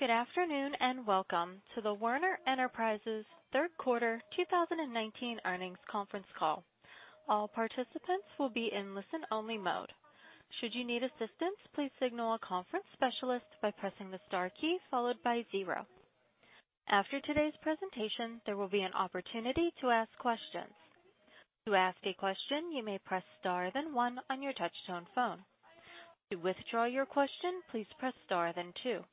Good afternoon, welcome to the Werner Enterprises third quarter 2019 earnings conference call. All participants will be in listen-only mode. Should you need assistance, please signal a conference specialist by pressing the star key followed by zero. After today's presentation, there will be an opportunity to ask questions. To ask a question, you may press star then one on your touch-tone phone. To withdraw your question, please press star then two.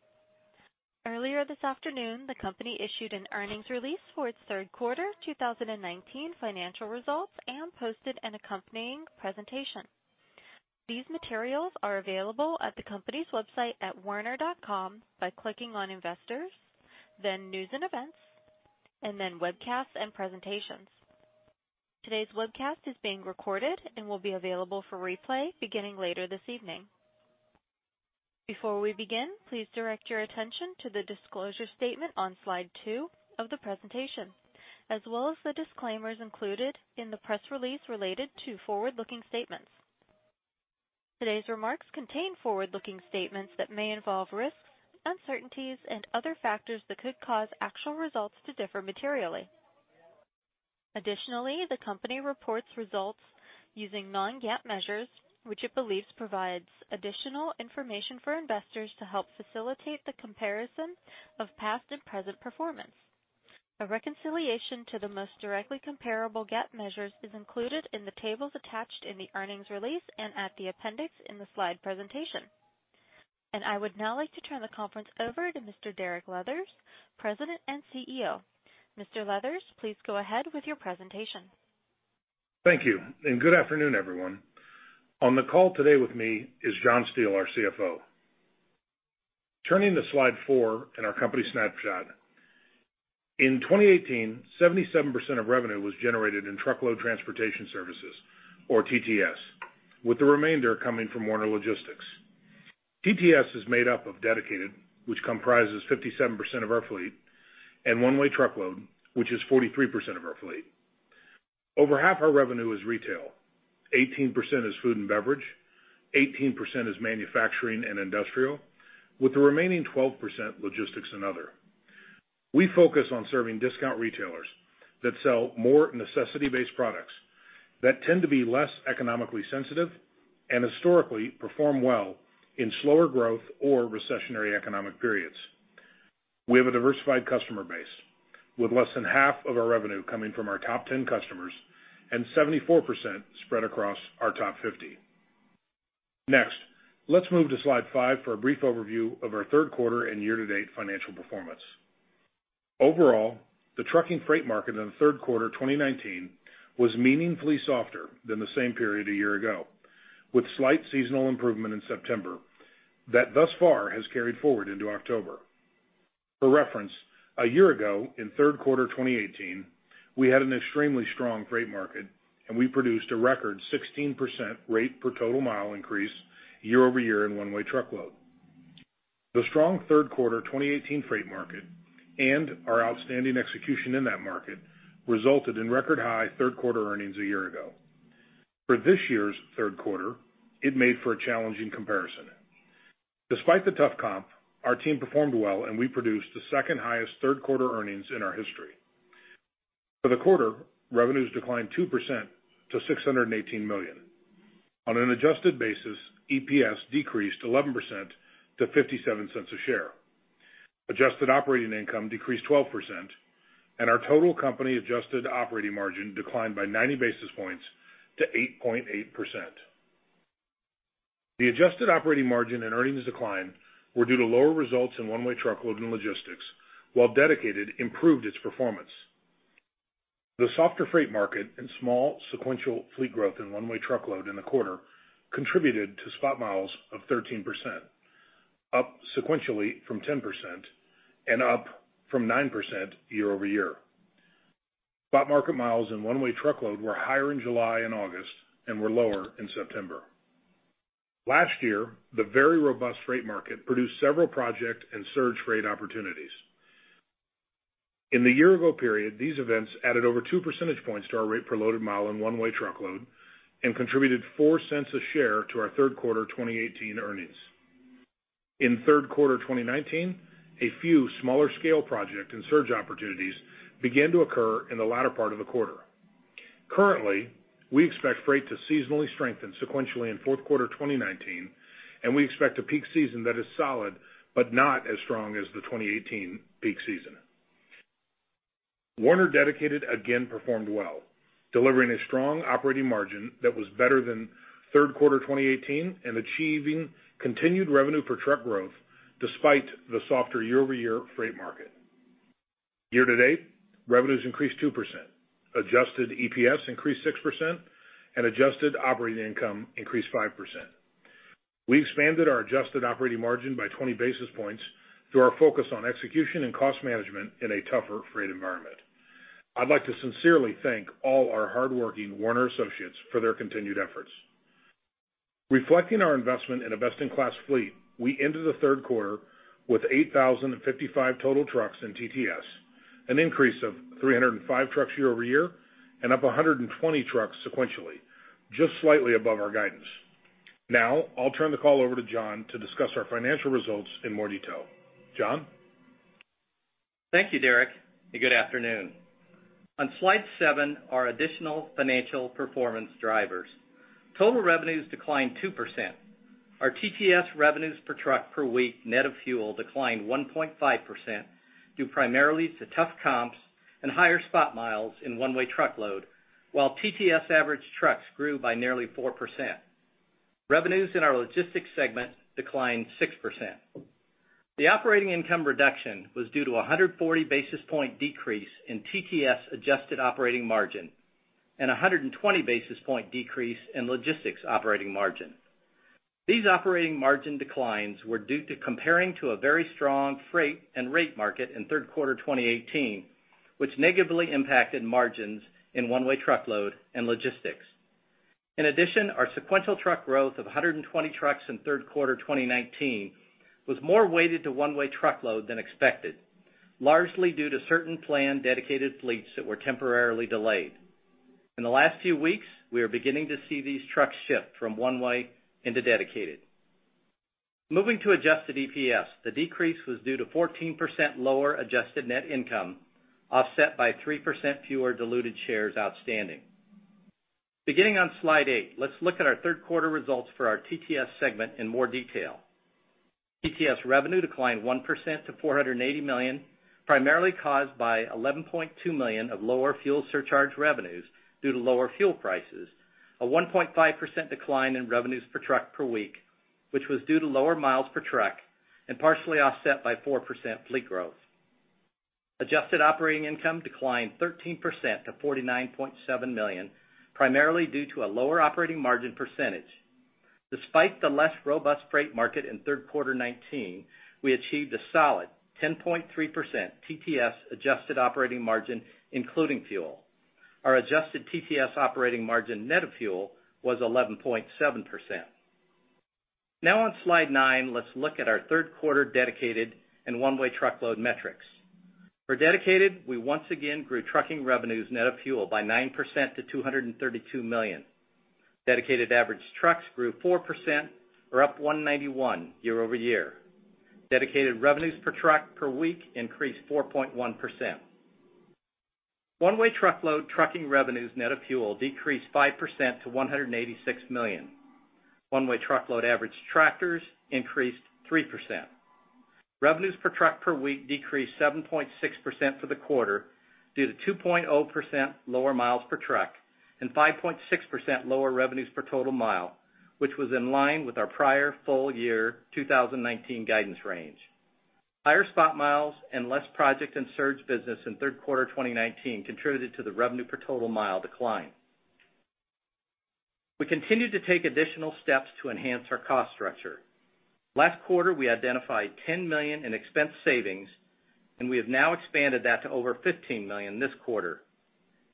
Earlier this afternoon, the company issued an earnings release for its third quarter 2019 financial results and posted an accompanying presentation. These materials are available at the company's website at werner.com by clicking on Investors, then News and Events, and then Webcasts and Presentations. Today's webcast is being recorded and will be available for replay beginning later this evening. Before we begin, please direct your attention to the disclosure statement on slide two of the presentation, as well as the disclaimers included in the press release related to forward-looking statements. Today's remarks contain forward-looking statements that may involve risks, uncertainties, and other factors that could cause actual results to differ materially. Additionally, the company reports results using non-GAAP measures, which it believes provides additional information for investors to help facilitate the comparison of past and present performance. A reconciliation to the most directly comparable GAAP measures is included in the tables attached in the earnings release and at the appendix in the slide presentation. I would now like to turn the conference over to Mr. Derek Leathers, President and CEO. Mr. Leathers, please go ahead with your presentation. Thank you. Good afternoon, everyone. On the call today with me is John Steele, our CFO. Turning to slide four in our company snapshot. In 2018, 77% of revenue was generated in truckload transportation services, or TTS, with the remainder coming from Werner Logistics. TTS is made up of Dedicated, which comprises 57% of our fleet, and One-Way Truckload, which is 43% of our fleet. Over half our revenue is retail, 18% is food and beverage, 18% is manufacturing and industrial, with the remaining 12% logistics and other. We focus on serving discount retailers that sell more necessity-based products that tend to be less economically sensitive and historically perform well in slower growth or recessionary economic periods. We have a diversified customer base, with less than half of our revenue coming from our top 10 customers and 74% spread across our top 50. Next, let's move to slide five for a brief overview of our third quarter and year-to-date financial performance. Overall, the trucking freight market in the third quarter 2019 was meaningfully softer than the same period a year ago, with slight seasonal improvement in September that thus far has carried forward into October. For reference, a year ago, in third quarter 2018, we had an extremely strong freight market, and we produced a record 16% rate per total mile increase year-over-year in One-Way Truckload. The strong third quarter 2018 freight market and our outstanding execution in that market resulted in record high third-quarter earnings a year ago. For this year's third quarter, it made for a challenging comparison. Despite the tough comp, our team performed well, and we produced the second highest third-quarter earnings in our history. For the quarter, revenues declined 2% to $618 million. On an adjusted basis, EPS decreased 11% to $0.57 a share. Adjusted operating income decreased 12%, and our total company adjusted operating margin declined by 90 basis points to 8.8%. The adjusted operating margin and earnings decline were due to lower results in One-Way Truckload and Logistics, while Dedicated improved its performance. The softer freight market and small sequential fleet growth in One-Way Truckload in the quarter contributed to spot miles of 13%, up sequentially from 10% and up from 9% year-over-year. Spot market miles in One-Way Truckload were higher in July and August and were lower in September. Last year, the very robust freight market produced several project and surge freight opportunities. In the year-ago period, these events added over two percentage points to our rate per loaded mile in One-Way Truckload and contributed $0.04 a share to our third quarter 2018 earnings. In third quarter 2019, a few smaller scale project and surge opportunities began to occur in the latter part of the quarter. Currently, we expect freight to seasonally strengthen sequentially in fourth quarter 2019, and we expect a peak season that is solid but not as strong as the 2018 peak season. Werner Dedicated again performed well, delivering a strong operating margin that was better than third quarter 2018 and achieving continued revenue per truck growth despite the softer year-over-year freight market. Year to date, revenues increased 2%, adjusted EPS increased 6%, and adjusted operating income increased 5%. We expanded our adjusted operating margin by 20 basis points through our focus on execution and cost management in a tougher freight environment. I'd like to sincerely thank all our hardworking Werner associates for their continued efforts. Reflecting our investment in a best-in-class fleet, we ended the third quarter with 8,055 total trucks in TTS, an increase of 305 trucks year-over-year and up 120 trucks sequentially. Just slightly above our guidance. I'll turn the call over to John to discuss our financial results in more detail. John? Thank you, Derek, and good afternoon. On slide seven are additional financial performance drivers. Total revenues declined 2%. Our TTS revenues per truck per week net of fuel declined 1.5%, due primarily to tough comps and higher spot miles in One-Way Truckload, while TTS average trucks grew by nearly 4%. Revenues in our logistics segment declined 6%. The operating income reduction was due to 140 basis point decrease in TTS adjusted operating margin and 120 basis point decrease in logistics operating margin. These operating margin declines were due to comparing to a very strong freight and rate market in third quarter 2018, which negatively impacted margins in One-Way Truckload and logistics. In addition, our sequential truck growth of 120 trucks in third quarter 2019 was more weighted to One-Way Truckload than expected, largely due to certain planned Dedicated fleets that were temporarily delayed. In the last few weeks, we are beginning to see these trucks shift from one way into Dedicated. Moving to adjusted EPS, the decrease was due to 14% lower adjusted net income, offset by 3% fewer diluted shares outstanding. Beginning on slide eight, let's look at our third quarter results for our TTS segment in more detail. TTS revenue declined 1% to $480 million, primarily caused by $11.2 million of lower fuel surcharge revenues due to lower fuel prices, a 1.5% decline in revenues per truck per week, which was due to lower miles per truck, and partially offset by 4% fleet growth. Adjusted operating income declined 13% to $49.7 million, primarily due to a lower operating margin percentage. Despite the less robust freight market in third quarter 2019, we achieved a solid 10.3% TTS adjusted operating margin, including fuel. Our adjusted TTS operating margin net of fuel was 11.7%. Now on slide nine, let's look at our third quarter Dedicated and One-Way Truckload metrics. For Dedicated, we once again grew trucking revenues net of fuel by 9% to $232 million. Dedicated average trucks grew 4%, or up 191 year-over-year. Dedicated revenues per truck per week increased 4.1%. One-Way Truckload trucking revenues net of fuel decreased 5% to $186 million. One-Way Truckload average tractors increased 3%. Revenues per truck per week decreased 7.6% for the quarter due to 2.0% lower miles per truck and 5.6% lower revenues per total mile, which was in line with our prior full year 2019 guidance range. Higher spot miles and less project and surge business in third quarter 2019 contributed to the revenue per total mile decline. We continued to take additional steps to enhance our cost structure. Last quarter, we identified $10 million in expense savings. We have now expanded that to over $15 million this quarter.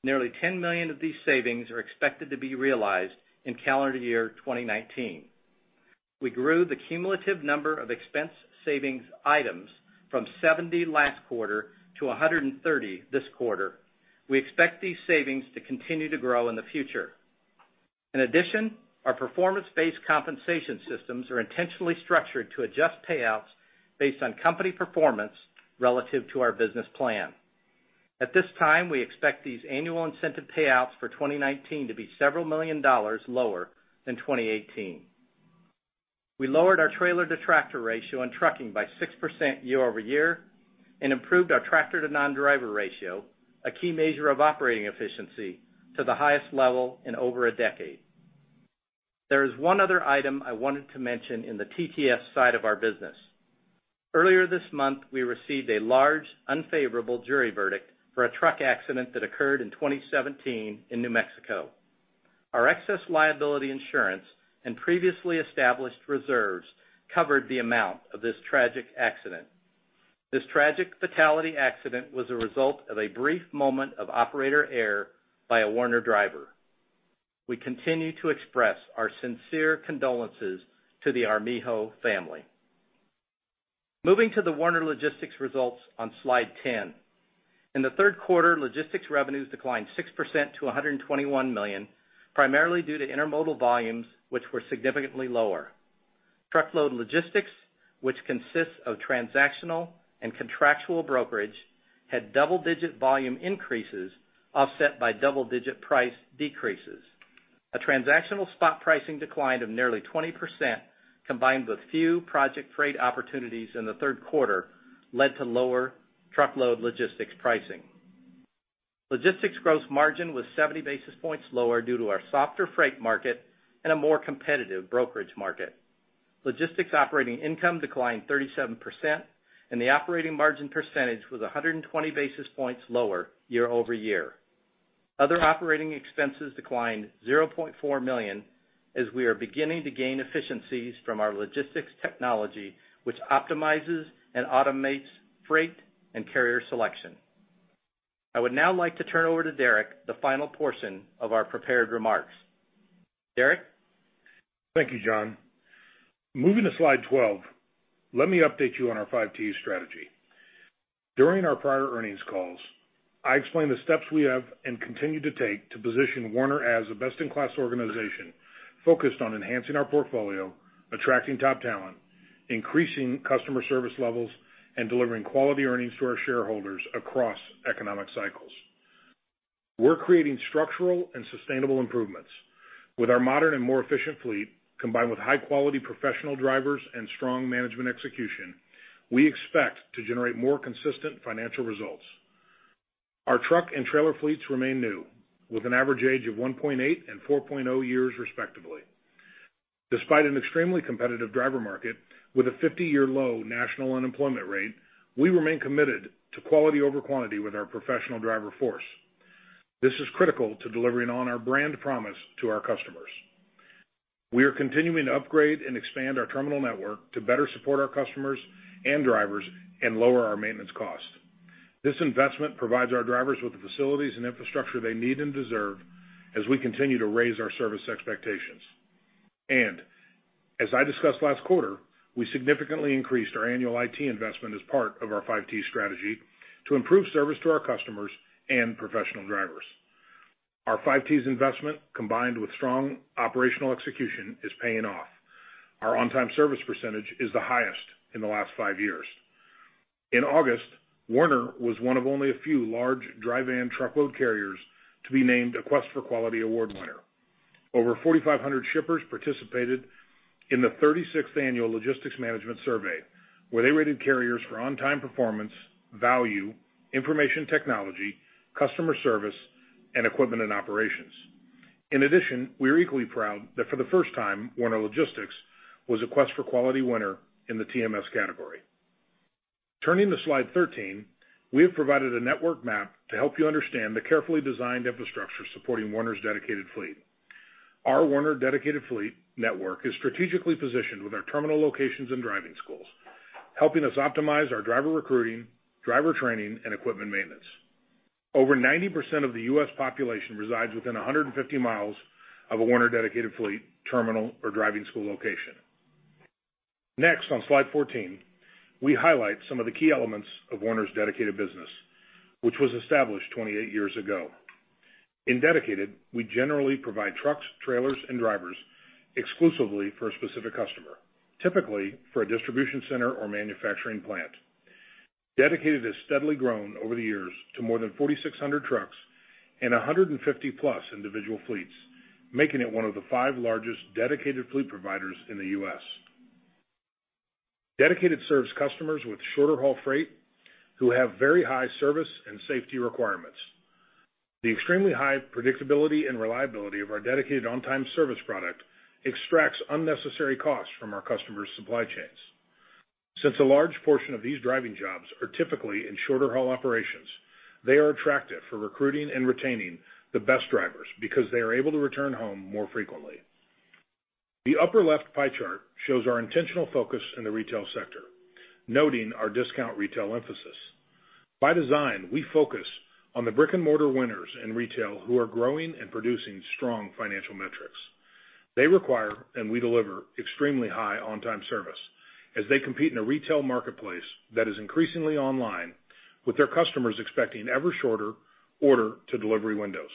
Nearly $10 million of these savings are expected to be realized in calendar year 2019. We grew the cumulative number of expense savings items from 70 last quarter to 130 this quarter. We expect these savings to continue to grow in the future. In addition, our performance-based compensation systems are intentionally structured to adjust payouts based on company performance relative to our business plan. At this time, we expect these annual incentive payouts for 2019 to be several million dollars lower than 2018. We lowered our trailer-to-tractor ratio in trucking by 6% year-over-year and improved our tractor to non-driver ratio, a key measure of operating efficiency, to the highest level in over a decade. There is one other item I wanted to mention in the TTS side of our business. Earlier this month, we received a large unfavorable jury verdict for a truck accident that occurred in 2017 in New Mexico. Our excess liability insurance and previously established reserves covered the amount of this tragic accident. This tragic fatality accident was a result of a brief moment of operator error by a Werner driver. We continue to express our sincere condolences to the Armijo family. Moving to the Werner Logistics results on slide 10. In the third quarter, logistics revenues declined 6% to $121 million, primarily due to intermodal volumes, which were significantly lower. Truckload logistics, which consists of transactional and contractual brokerage, had double-digit volume increases offset by double-digit price decreases. A transactional spot pricing decline of nearly 20%, combined with few project freight opportunities in the third quarter, led to lower truckload logistics pricing. Logistics gross margin was 70 basis points lower due to our softer freight market and a more competitive brokerage market. Logistics operating income declined 37%, and the operating margin percentage was 120 basis points lower year-over-year. Other operating expenses declined $0.4 million, as we are beginning to gain efficiencies from our logistics technology, which optimizes and automates freight and carrier selection. I would now like to turn over to Derek, the final portion of our prepared remarks. Derek? Thank you, John. Moving to slide 12, let me update you on our Five T's strategy. During our prior earnings calls, I explained the steps we have and continue to take to position Werner as a best-in-class organization focused on enhancing our portfolio, attracting top talent, increasing customer service levels, and delivering quality earnings to our shareholders across economic cycles. We're creating structural and sustainable improvements. With our modern and more efficient fleet, combined with high-quality professional drivers and strong management execution, we expect to generate more consistent financial results. Our truck and trailer fleets remain new, with an average age of 1.8 and 4.0 years, respectively. Despite an extremely competitive driver market, with a 50-year low national unemployment rate, we remain committed to quality over quantity with our professional driver force. This is critical to delivering on our brand promise to our customers. We are continuing to upgrade and expand our terminal network to better support our customers and drivers and lower our maintenance costs. This investment provides our drivers with the facilities and infrastructure they need and deserve as we continue to raise our service expectations. As I discussed last quarter, we significantly increased our annual IT investment as part of our Five T's strategy to improve service to our customers and professional drivers. Our Five T's investment, combined with strong operational execution, is paying off. Our on-time service percentage is the highest in the last five years. In August, Werner was one of only a few large dry van truckload carriers to be named a Quest for Quality Award winner. Over 4,500 shippers participated in the 36th annual Logistics Management Survey, where they rated carriers for on-time performance, value, information technology, customer service, and equipment and operations. In addition, we are equally proud that for the first time, Werner Logistics was a Quest for Quality winner in the TMS category. Turning to slide 13, we have provided a network map to help you understand the carefully designed infrastructure supporting Werner's Dedicated fleet. Our Werner Dedicated fleet network is strategically positioned with our terminal locations and driving schools, helping us optimize our driver recruiting, driver training, and equipment maintenance. Over 90% of the U.S. population resides within 150 miles of a Werner Dedicated fleet terminal or driving school location. Next, on slide 14, we highlight some of the key elements of Werner's Dedicated business, which was established 28 years ago. In Dedicated, we generally provide trucks, trailers, and drivers exclusively for a specific customer, typically for a distribution center or manufacturing plant. Dedicated has steadily grown over the years to more than 4,600 trucks and 150-plus individual fleets, making it one of the five largest dedicated fleet providers in the U.S. Dedicated serves customers with shorter-haul freight who have very high service and safety requirements. The extremely high predictability and reliability of our dedicated on-time service product extracts unnecessary costs from our customers' supply chains. Since a large portion of these driving jobs are typically in shorter-haul operations, they are attractive for recruiting and retaining the best drivers because they are able to return home more frequently. The upper left pie chart shows our intentional focus in the retail sector, noting our discount retail emphasis. By design, we focus on the brick-and-mortar winners in retail who are growing and producing strong financial metrics. They require, and we deliver, extremely high on-time service as they compete in a retail marketplace that is increasingly online, with their customers expecting ever shorter order to delivery windows.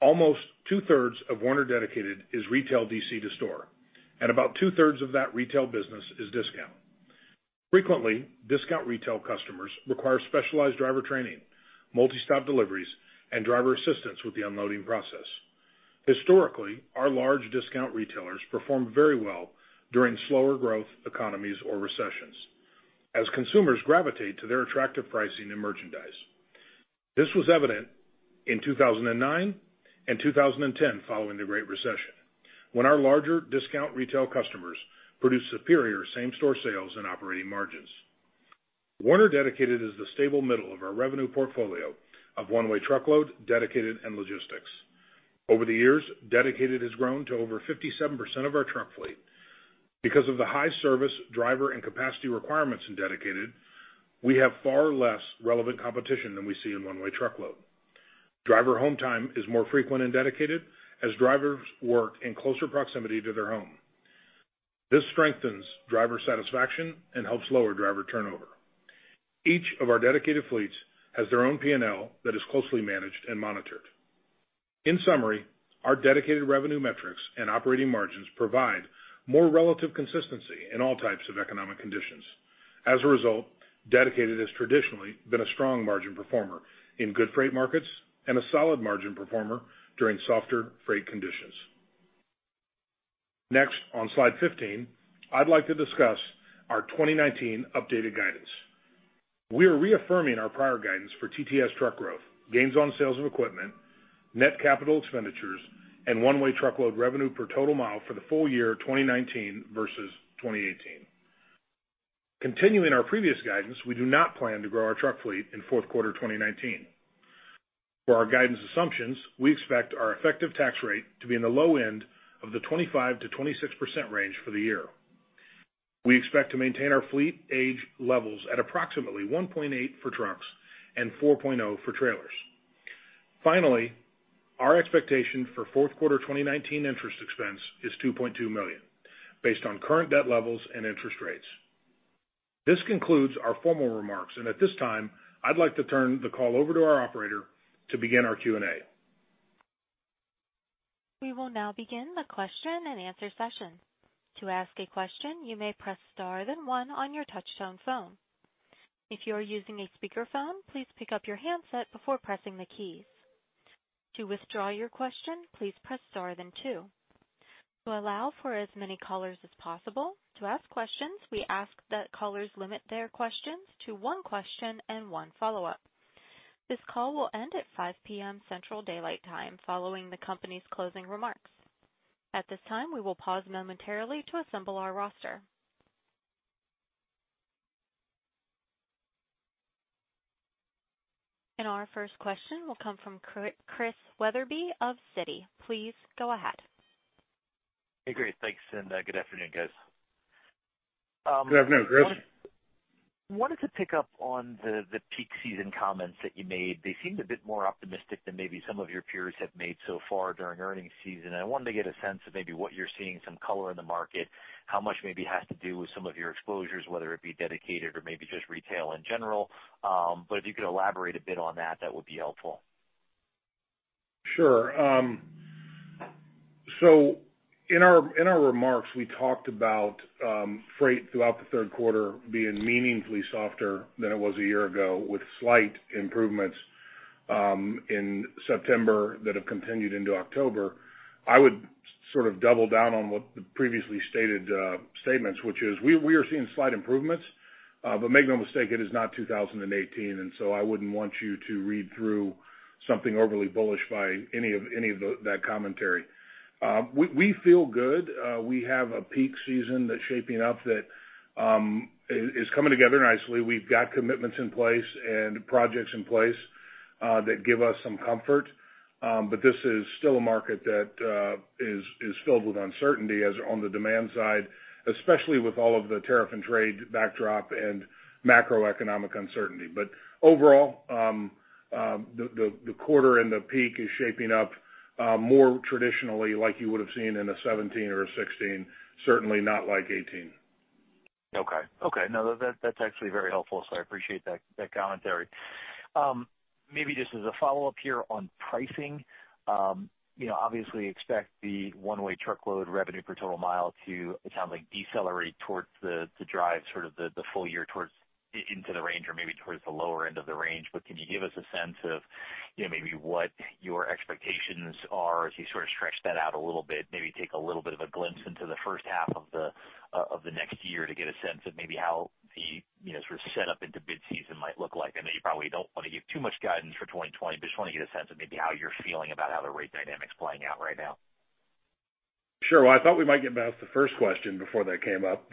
Almost two-thirds of Werner Dedicated is retail DC to store, and about two-thirds of that retail business is discount. Frequently, discount retail customers require specialized driver training, multi-stop deliveries, and driver assistance with the unloading process. Historically, our large discount retailers perform very well during slower growth economies or recessions, as consumers gravitate to their attractive pricing and merchandise. This was evident in 2009 and 2010 following the Great Recession, when our larger discount retail customers produced superior same-store sales and operating margins. Werner Dedicated is the stable middle of our revenue portfolio of One-Way Truckload, Dedicated, and logistics. Over the years, Dedicated has grown to over 57% of our truck fleet. Because of the high service driver and capacity requirements in Dedicated, we have far less relevant competition than we see in One-Way Truckload. Driver home time is more frequent in Dedicated, as drivers work in closer proximity to their home. This strengthens driver satisfaction and helps lower driver turnover. Each of our Dedicated fleets has their own P&L that is closely managed and monitored. In summary, our Dedicated revenue metrics and operating margins provide more relative consistency in all types of economic conditions. As a result, Dedicated has traditionally been a strong margin performer in good freight markets and a solid margin performer during softer freight conditions. Next, on slide 15, I'd like to discuss our 2019 updated guidance. We are reaffirming our prior guidance for TTS truck growth, gains on sales of equipment, net capital expenditures, and One-Way Truckload revenue per total mile for the full year 2019 versus 2018. Continuing our previous guidance, we do not plan to grow our truck fleet in fourth quarter 2019. For our guidance assumptions, we expect our effective tax rate to be in the low end of the 25%-26% range for the year. We expect to maintain our fleet age levels at approximately 1.8 for trucks and 4.0 for trailers. Finally, our expectation for fourth quarter 2019 interest expense is $2.2 million based on current debt levels and interest rates. This concludes our formal remarks, and at this time, I'd like to turn the call over to our operator to begin our Q&A. We will now begin the question and answer session. To ask a question, you may press star then one on your touchtone phone. If you are using a speakerphone, please pick up your handset before pressing the keys. To withdraw your question, please press star then two. To allow for as many callers as possible to ask questions, we ask that callers limit their questions to one question and one follow-up. This call will end at 5:00 PM Central Daylight Time following the company's closing remarks. At this time, we will pause momentarily to assemble our roster. Our first question will come from Chris Wetherbee of Citi. Please go ahead. Hey, great. Thanks. Good afternoon, guys. Good afternoon, Chris. Wanted to pick up on the peak season comments that you made. They seemed a bit more optimistic than maybe some of your peers have made so far during earnings season. I wanted to get a sense of maybe what you're seeing, some color in the market, how much maybe has to do with some of your exposures, whether it be Dedicated or maybe just retail in general. If you could elaborate a bit on that would be helpful. Sure. In our remarks, we talked about freight throughout the third quarter being meaningfully softer than it was a year ago, with slight improvements in September that have continued into October. I would sort of double down on what the previously stated statements, which is we are seeing slight improvements. Make no mistake, it is not 2018. I wouldn't want you to read through something overly bullish by any of that commentary. We feel good. We have a peak season that's shaping up that is coming together nicely. We've got commitments in place and projects in place that give us some comfort. This is still a market that is filled with uncertainty as on the demand side, especially with all of the tariff and trade backdrop and macroeconomic uncertainty. Overall, the quarter and the peak is shaping up more traditionally like you would have seen in a 2017 or a 2016, certainly not like 2018. Okay. That's actually very helpful. I appreciate that commentary. Maybe just as a follow-up here on pricing. Obviously expect the One-Way Truckload revenue per total mile to, it sounds like, decelerate towards the drive, sort of the full year into the range or maybe towards the lower end of the range. Can you give us a sense of maybe what your expectations are as you sort of stretch that out a little bit, maybe take a little bit of a glimpse into the first half of the next year to get a sense of maybe how the sort of set up into mid-season might look like? I know you probably don't want to give too much guidance for 2020, just want to get a sense of maybe how you're feeling about how the rate dynamic's playing out right now. Sure. Well, I thought we might get past the first question before that came up.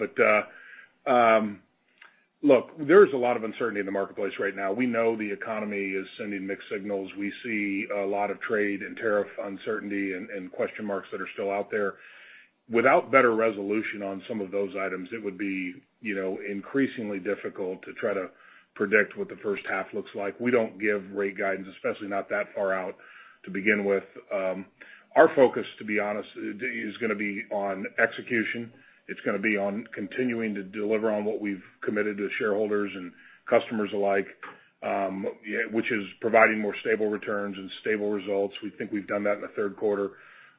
Look, there is a lot of uncertainty in the marketplace right now. We know the economy is sending mixed signals. We see a lot of trade and tariff uncertainty and question marks that are still out there. Without better resolution on some of those items, it would be increasingly difficult to try to predict what the first half looks like. We don't give rate guidance, especially not that far out to begin with. Our focus, to be honest, is going to be on execution. It's going to be on continuing to deliver on what we've committed to shareholders and customers alike, which is providing more stable returns and stable results. We think we've done that in the third quarter.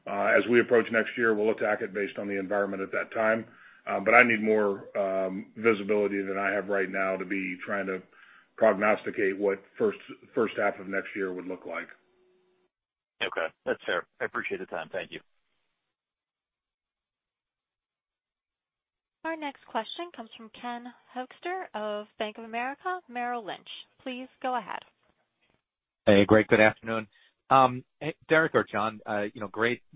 As we approach next year, we'll attack it based on the environment at that time. I need more visibility than I have right now to be trying to prognosticate what first half of next year would look like. Okay. That's fair. I appreciate the time. Thank you. Our next question comes from Ken Hoexter of Bank of America Merrill Lynch. Please go ahead. Hey, great. Good afternoon. Derek or John, great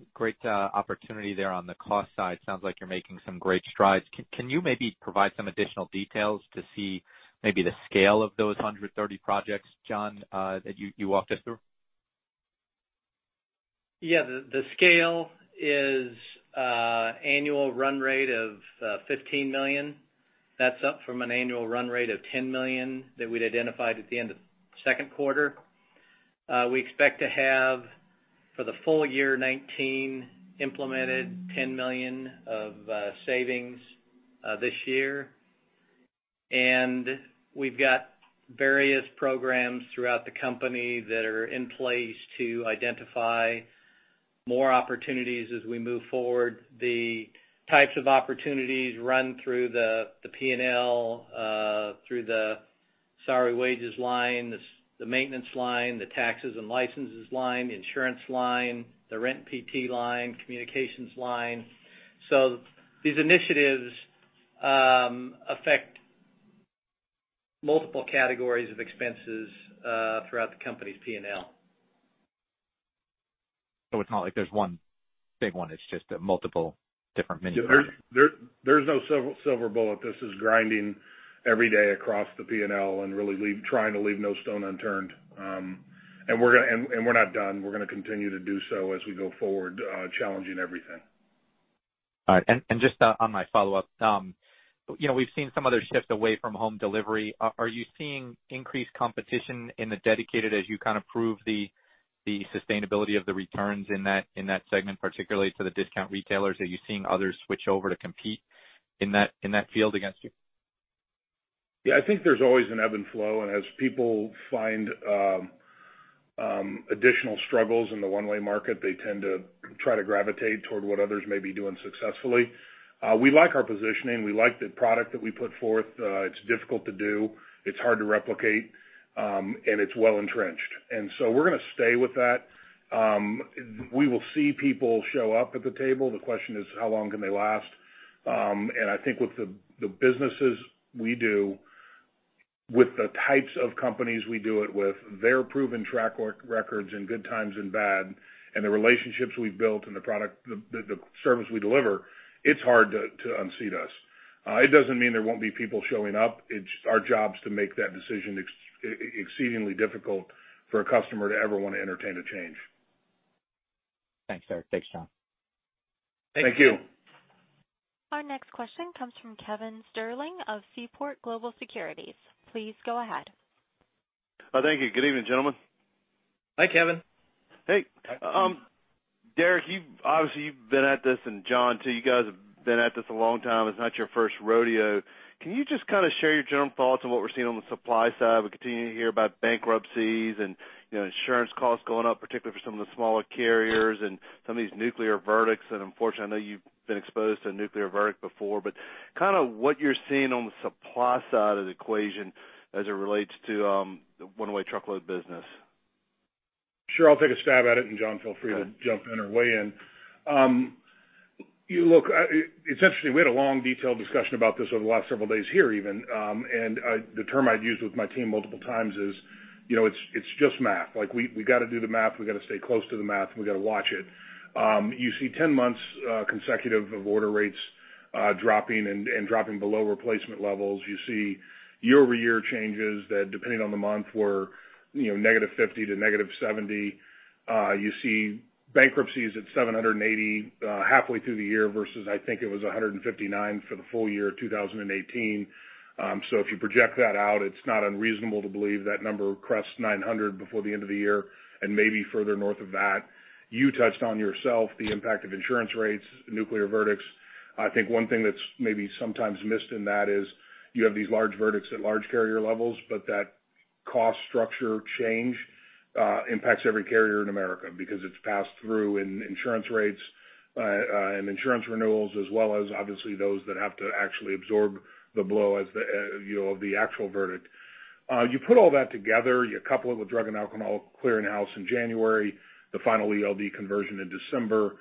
opportunity there on the cost side. Sounds like you're making some great strides. Can you maybe provide some additional details to see maybe the scale of those 130 projects, John, that you walked us through? Yeah. The scale is annual run rate of $15 million. That's up from an annual run rate of $10 million that we'd identified at the end of second quarter. We expect to have, for the full year 2019, implemented $10 million of savings this year. We've got various programs throughout the company that are in place to identify more opportunities as we move forward. The types of opportunities run through the P&L, through the salary wages line, the maintenance line, the taxes and licenses line, the insurance line, the rent PT line, communications line. These initiatives affect multiple categories of expenses throughout the company's P&L. It's not like there's one big one. It's just a multiple different mini projects. There's no silver bullet. This is grinding every day across the P&L and really trying to leave no stone unturned. We're not done. We're going to continue to do so as we go forward, challenging everything. All right. Just on my follow-up, we've seen some other shifts away from home delivery. Are you seeing increased competition in the Dedicated as you kind of prove the sustainability of the returns in that segment, particularly to the discount retailers? Are you seeing others switch over to compete in that field against you? Yeah, I think there's always an ebb and flow. As people find additional struggles in the one-way market, they tend to try to gravitate toward what others may be doing successfully. We like our positioning. We like the product that we put forth. It's difficult to do, it's hard to replicate, and it's well entrenched. We're going to stay with that. We will see people show up at the table. The question is, how long can they last? I think with the businesses we do, with the types of companies we do it with, their proven track records in good times and bad, and the relationships we've built and the service we deliver, it's hard to unseat us. It doesn't mean there won't be people showing up. It's our jobs to make that decision exceedingly difficult for a customer to ever want to entertain a change. Thanks, Derek. Thanks, John. Thank you. Our next question comes from Kevin Sterling of Seaport Global Securities. Please go ahead. Thank you. Good evening, gentlemen. Hi, Kevin. Hey. Derek, obviously you've been at this, and John too, you guys have been at this a long time. It's not your first rodeo. Can you just share your general thoughts on what we're seeing on the supply side? We continue to hear about bankruptcies and insurance costs going up, particularly for some of the smaller carriers and some of these nuclear verdicts. Unfortunately, I know you've been exposed to a nuclear verdict before, but what you're seeing on the supply side of the equation as it relates to One-Way Truckload business. Sure. I'll take a stab at it, and John, feel free to jump in or weigh in. Look, it's interesting, we had a long detailed discussion about this over the last several days here even, and the term I'd used with my team multiple times is, it's just math. We got to do the math, we got to stay close to the math, and we got to watch it. You see 10 months consecutive of order rates dropping and dropping below replacement levels. You see year-over-year changes that, depending on the month, were negative 50 to negative 70. You see bankruptcies at 780 halfway through the year versus I think it was 159 for the full year of 2018. If you project that out, it's not unreasonable to believe that number crests 900 before the end of the year and maybe further north of that. You touched on yourself the impact of insurance rates, nuclear verdicts. I think one thing that's maybe sometimes missed in that is you have these large verdicts at large carrier levels, but that cost structure change impacts every carrier in America because it's passed through in insurance rates and insurance renewals as well as obviously those that have to actually absorb the blow of the actual verdict. You put all that together, you couple it with Drug and Alcohol Clearinghouse in January, the final ELD conversion in December,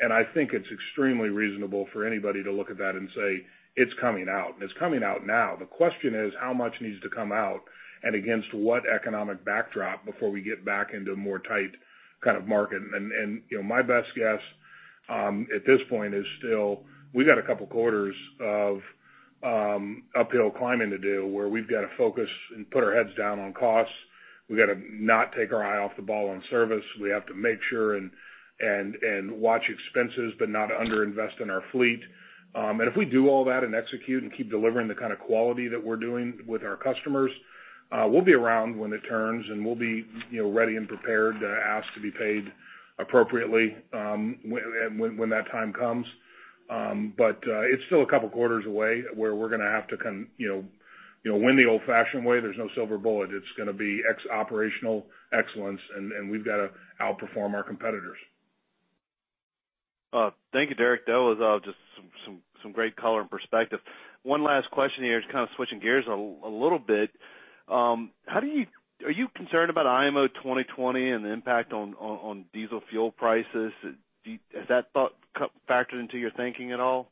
and I think it's extremely reasonable for anybody to look at that and say it's coming out, and it's coming out now. The question is how much needs to come out and against what economic backdrop before we get back into a more tight kind of market. My best guess at this point is still we got a couple of quarters of uphill climbing to do where we've got to focus and put our heads down on costs. We got to not take our eye off the ball on service. We have to make sure and watch expenses but not under-invest in our fleet. If we do all that and execute and keep delivering the kind of quality that we're doing with our customers, we'll be around when it turns, and we'll be ready and prepared to ask to be paid appropriately when that time comes. It's still a couple of quarters away where we're going to have to win the old-fashioned way. There's no silver bullet. It's going to be operational excellence, and we've got to outperform our competitors. Thank you, Derek. That was just some great color and perspective. One last question here, just kind of switching gears a little bit. Are you concerned about IMO 2020 and the impact on diesel fuel prices? Has that thought factored into your thinking at all?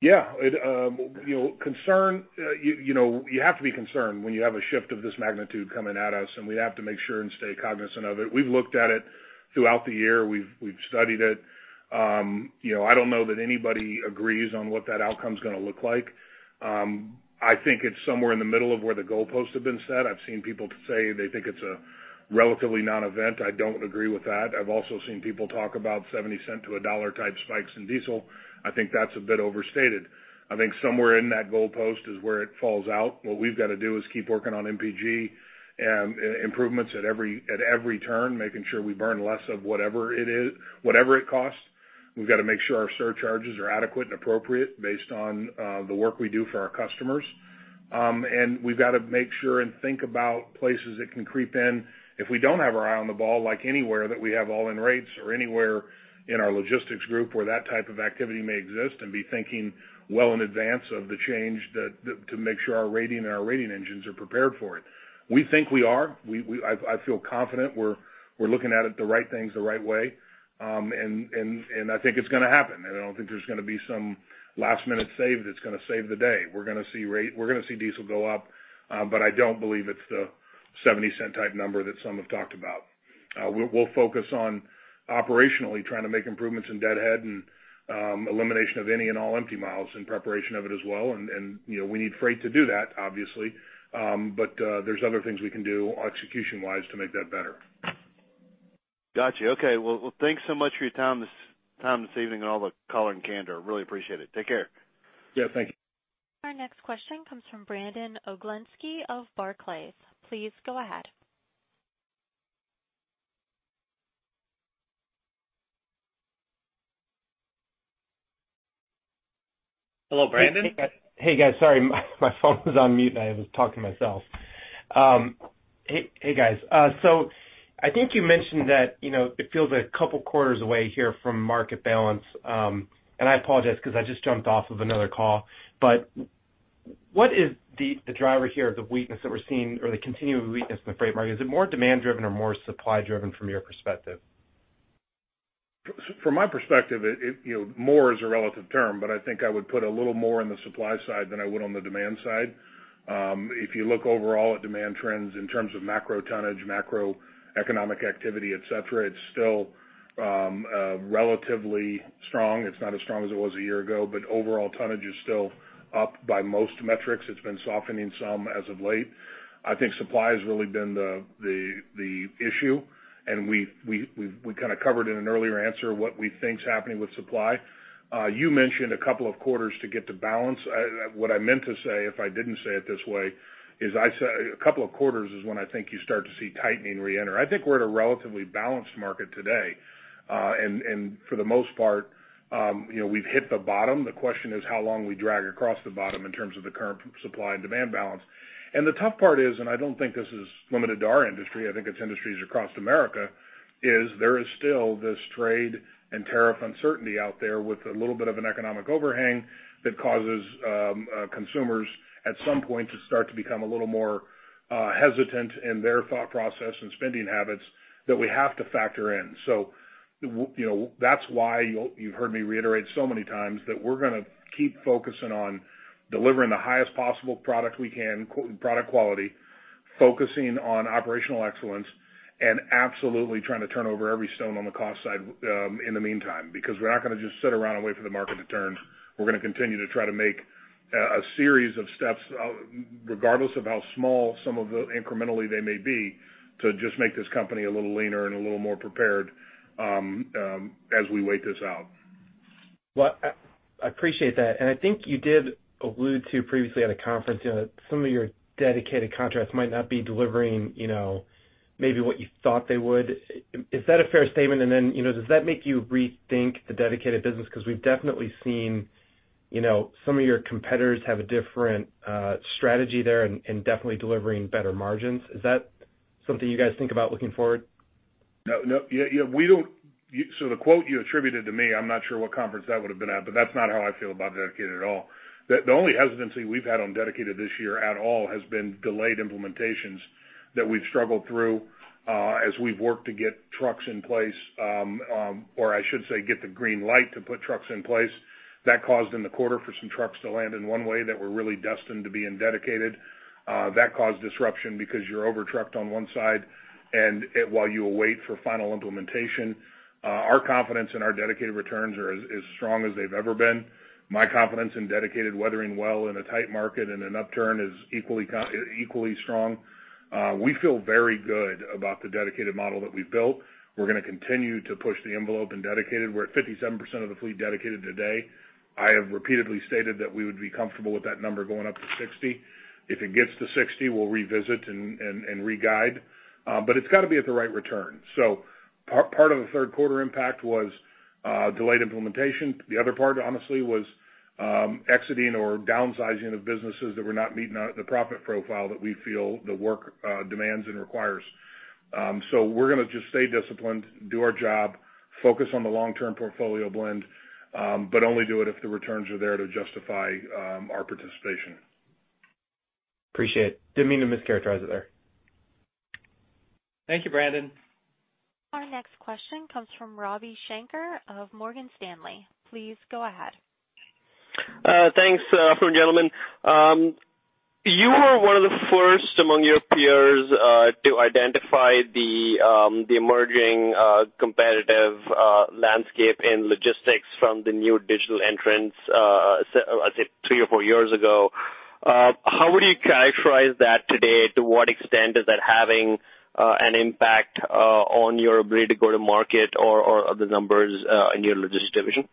Yeah. You have to be concerned when you have a shift of this magnitude coming at us, and we have to make sure and stay cognizant of it. We've looked at it throughout the year. We've studied it. I don't know that anybody agrees on what that outcome's going to look like. I think it's somewhere in the middle of where the goalposts have been set. I've seen people say they think it's a relatively non-event. I don't agree with that. I've also seen people talk about $0.70-$1 type spikes in diesel. I think that's a bit overstated. I think somewhere in that goalpost is where it falls out. What we've got to do is keep working on MPG improvements at every turn, making sure we burn less of whatever it costs. We've got to make sure our surcharges are adequate and appropriate based on the work we do for our customers. We've got to make sure and think about places it can creep in if we don't have our eye on the ball, like anywhere that we have all-in rates or anywhere in our logistics group where that type of activity may exist and be thinking well in advance of the change to make sure our rating and our rating engines are prepared for it. We think we are. I feel confident we're looking at the right things the right way, I think it's going to happen. I don't think there's going to be some last-minute save that's going to save the day. We're going to see diesel go up, I don't believe it's the $0.70 type number that some have talked about. We'll focus on operationally trying to make improvements in deadhead and elimination of any and all empty miles in preparation of it as well. We need freight to do that, obviously. There's other things we can do execution-wise to make that better. Got you. Okay. Well, thanks so much for your time this evening and all the color and candor. Really appreciate it. Take care. Yeah, thank you. Our next question comes from Brandon Oglenski of Barclays. Please go ahead. Hello, Brandon? Hey guys. Sorry, my phone was on mute and I was talking to myself. Hey guys. I think you mentioned that it feels a couple quarters away here from market balance. I apologize because I just jumped off of another call, but what is the driver here of the weakness that we're seeing or the continuing weakness in the freight market? Is it more demand-driven or more supply-driven from your perspective? From my perspective, more is a relative term, but I think I would put a little more on the supply side than I would on the demand side. If you look overall at demand trends in terms of macro tonnage, macroeconomic activity, et cetera, it's still relatively strong. It's not as strong as it was a year ago, but overall tonnage is still up by most metrics. It's been softening some as of late. I think supply has really been the issue, and we kind of covered in an earlier answer what we think is happening with supply. You mentioned a couple of quarters to get to balance. What I meant to say, if I didn't say it this way, is a couple of quarters is when I think you start to see tightening reenter. I think we're at a relatively balanced market today. For the most part, we've hit the bottom. The question is how long we drag across the bottom in terms of the current supply and demand balance. The tough part is, and I don't think this is limited to our industry, I think it's industries across America, is there is still this trade and tariff uncertainty out there with a little bit of an economic overhang that causes consumers at some point to start to become a little more hesitant in their thought process and spending habits that we have to factor in. That's why you've heard me reiterate so many times that we're going to keep focusing on delivering the highest possible product we can, product quality, focusing on operational excellence, and absolutely trying to turn over every stone on the cost side in the meantime, because we're not going to just sit around and wait for the market to turn. We're going to continue to try to make a series of steps, regardless of how small some of the incrementally they may be, to just make this company a little leaner and a little more prepared as we wait this out. Well, I appreciate that. I think you did allude to previously at a conference some of your Dedicated contracts might not be delivering maybe what you thought they would. Is that a fair statement? Does that make you rethink the Dedicated business? Because we've definitely seen some of your competitors have a different strategy there and definitely delivering better margins. Is that something you guys think about looking forward? No. The quote you attributed to me, I'm not sure what conference that would have been at, but that's not how I feel about Dedicated at all. The only hesitancy we've had on Dedicated this year at all has been delayed implementations that we've struggled through as we've worked to get trucks in place, or I should say, get the green light to put trucks in place. That caused in the quarter for some trucks to land in One-Way that were really destined to be in Dedicated. That caused disruption because you're over-trucked on one side while you await for final implementation. Our confidence in our Dedicated returns are as strong as they've ever been. My confidence in Dedicated weathering well in a tight market and an upturn is equally strong. We feel very good about the Dedicated model that we've built. We're going to continue to push the envelope in Dedicated. We're at 57% of the fleet Dedicated today. I have repeatedly stated that we would be comfortable with that number going up to 60. If it gets to 60, we'll revisit and re-guide. It's got to be at the right return. Part of the third quarter impact was delayed implementation. The other part, honestly, was exiting or downsizing of businesses that were not meeting the profit profile that we feel the work demands and requires. We're going to just stay disciplined, do our job, focus on the long-term portfolio blend, but only do it if the returns are there to justify our participation. Appreciate it. Didn't mean to mischaracterize it there. Thank you, Brandon. Our next question comes from Ravi Shanker of Morgan Stanley. Please go ahead. Thanks. Afternoon, gentlemen. You were one of the first among your peers to identify the emerging competitive landscape in logistics from the new digital entrants, I'd say three or four years ago. How would you characterize that today? To what extent is that having an impact on your ability to go to market or the numbers in your logistics division?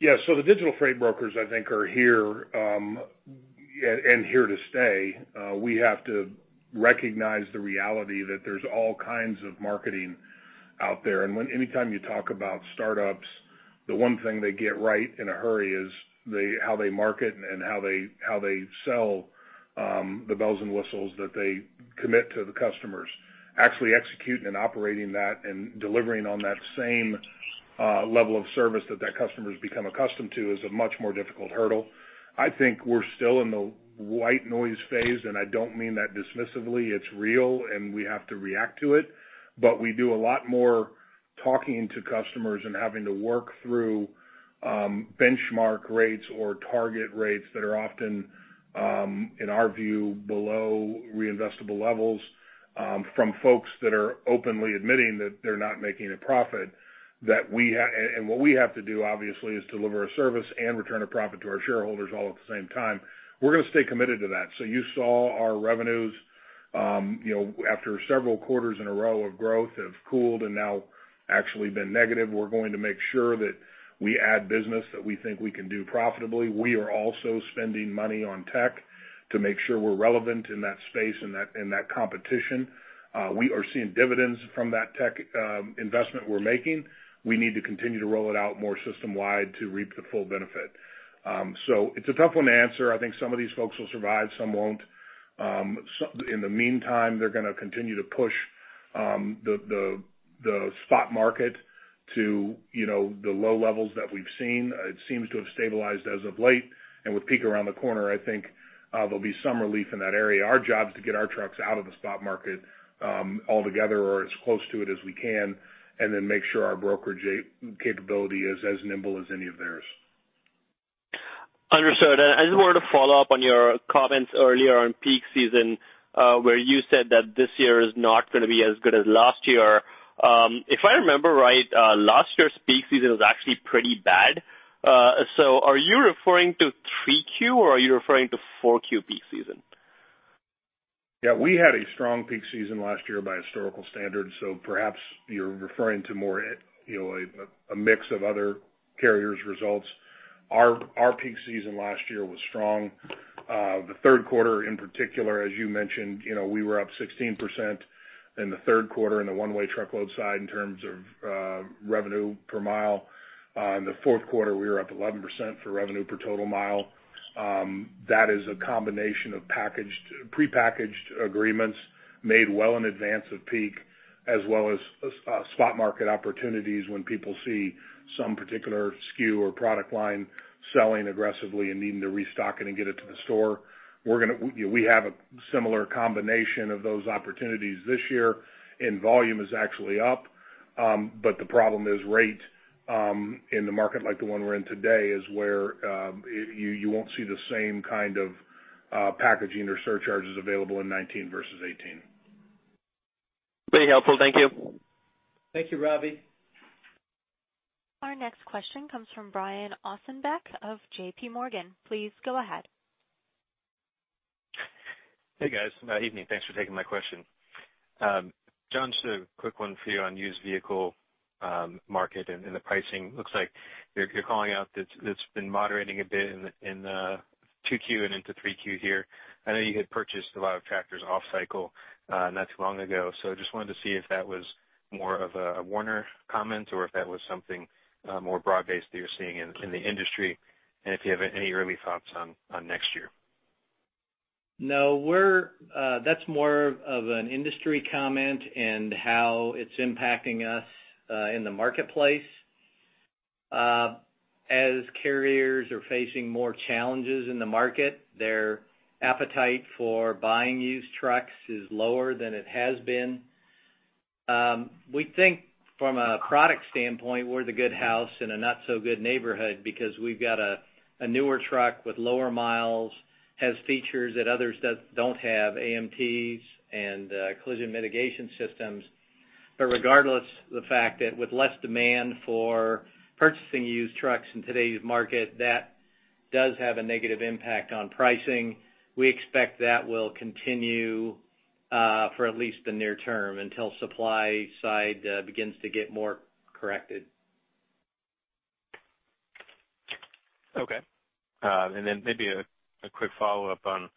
Yeah. The digital freight brokers, I think, are here, and here to stay. We have to recognize the reality that there's all kinds of marketing out there. Anytime you talk about startups, the one thing they get right in a hurry is how they market and how they sell the bells and whistles that they commit to the customers. Actually executing and operating that and delivering on that same level of service that that customer has become accustomed to is a much more difficult hurdle. I think we're still in the white noise phase, and I don't mean that dismissively. It's real, and we have to react to it. We do a lot more talking to customers and having to work through benchmark rates or target rates that are often, in our view, below reinvestable levels from folks that are openly admitting that they're not making a profit. What we have to do, obviously, is deliver a service and return a profit to our shareholders all at the same time. We're going to stay committed to that. You saw our revenues after several quarters in a row of growth have cooled and now actually been negative, we're going to make sure that we add business that we think we can do profitably. We are also spending money on tech to make sure we're relevant in that space and that competition. We are seeing dividends from that tech investment we're making. We need to continue to roll it out more system-wide to reap the full benefit. It's a tough one to answer. I think some of these folks will survive, some won't. In the meantime, they're going to continue to push the spot market to the low levels that we've seen. It seems to have stabilized as of late, and with peak around the corner, I think there'll be some relief in that area. Our job is to get our trucks out of the spot market altogether or as close to it as we can, and then make sure our brokerage capability is as nimble as any of theirs. Understood. I just wanted to follow up on your comments earlier on peak season, where you said that this year is not going to be as good as last year. If I remember right, last year's peak season was actually pretty bad. Are you referring to 3Q or are you referring to 4Q peak season? Yeah, we had a strong peak season last year by historical standards, perhaps you're referring to more a mix of other carriers' results. Our peak season last year was strong. The third quarter in particular, as you mentioned, we were up 16% in the third quarter in the One-Way Truckload side in terms of revenue per mile. In the fourth quarter, we were up 11% for revenue per total mile. That is a combination of prepackaged agreements made well in advance of peak as well as spot market opportunities when people see some particular SKU or product line selling aggressively and needing to restock it and get it to the store. We have a similar combination of those opportunities this year, volume is actually up. The problem is rate in the market like the one we're in today is where you won't see the same kind of packaging or surcharges available in 2019 versus 2018. Very helpful. Thank you. Thank you, Ravi. Our next question comes from Brian Ossenbeck of J.P. Morgan. Please go ahead. Hey, guys. Evening. Thanks for taking my question. John, just a quick one for you on used vehicle market and the pricing. Looks like you're calling out that it's been moderating a bit in the 2Q and into 3Q here. I know you had purchased a lot of tractors off cycle not too long ago, so just wanted to see if that was more of a Werner comment or if that was something more broad-based that you're seeing in the industry, and if you have any early thoughts on next year. That's more of an industry comment and how it's impacting us in the marketplace. As carriers are facing more challenges in the market, their appetite for buying used trucks is lower than it has been. We think from a product standpoint, we're the good house in a not-so-good neighborhood because we've got a newer truck with lower miles, has features that others don't have, AMTs and collision mitigation systems. Regardless of the fact that with less demand for purchasing used trucks in today's market, that does have a negative impact on pricing. We expect that will continue for at least the near term until supply side begins to get more corrected. Okay. Maybe a quick follow-up on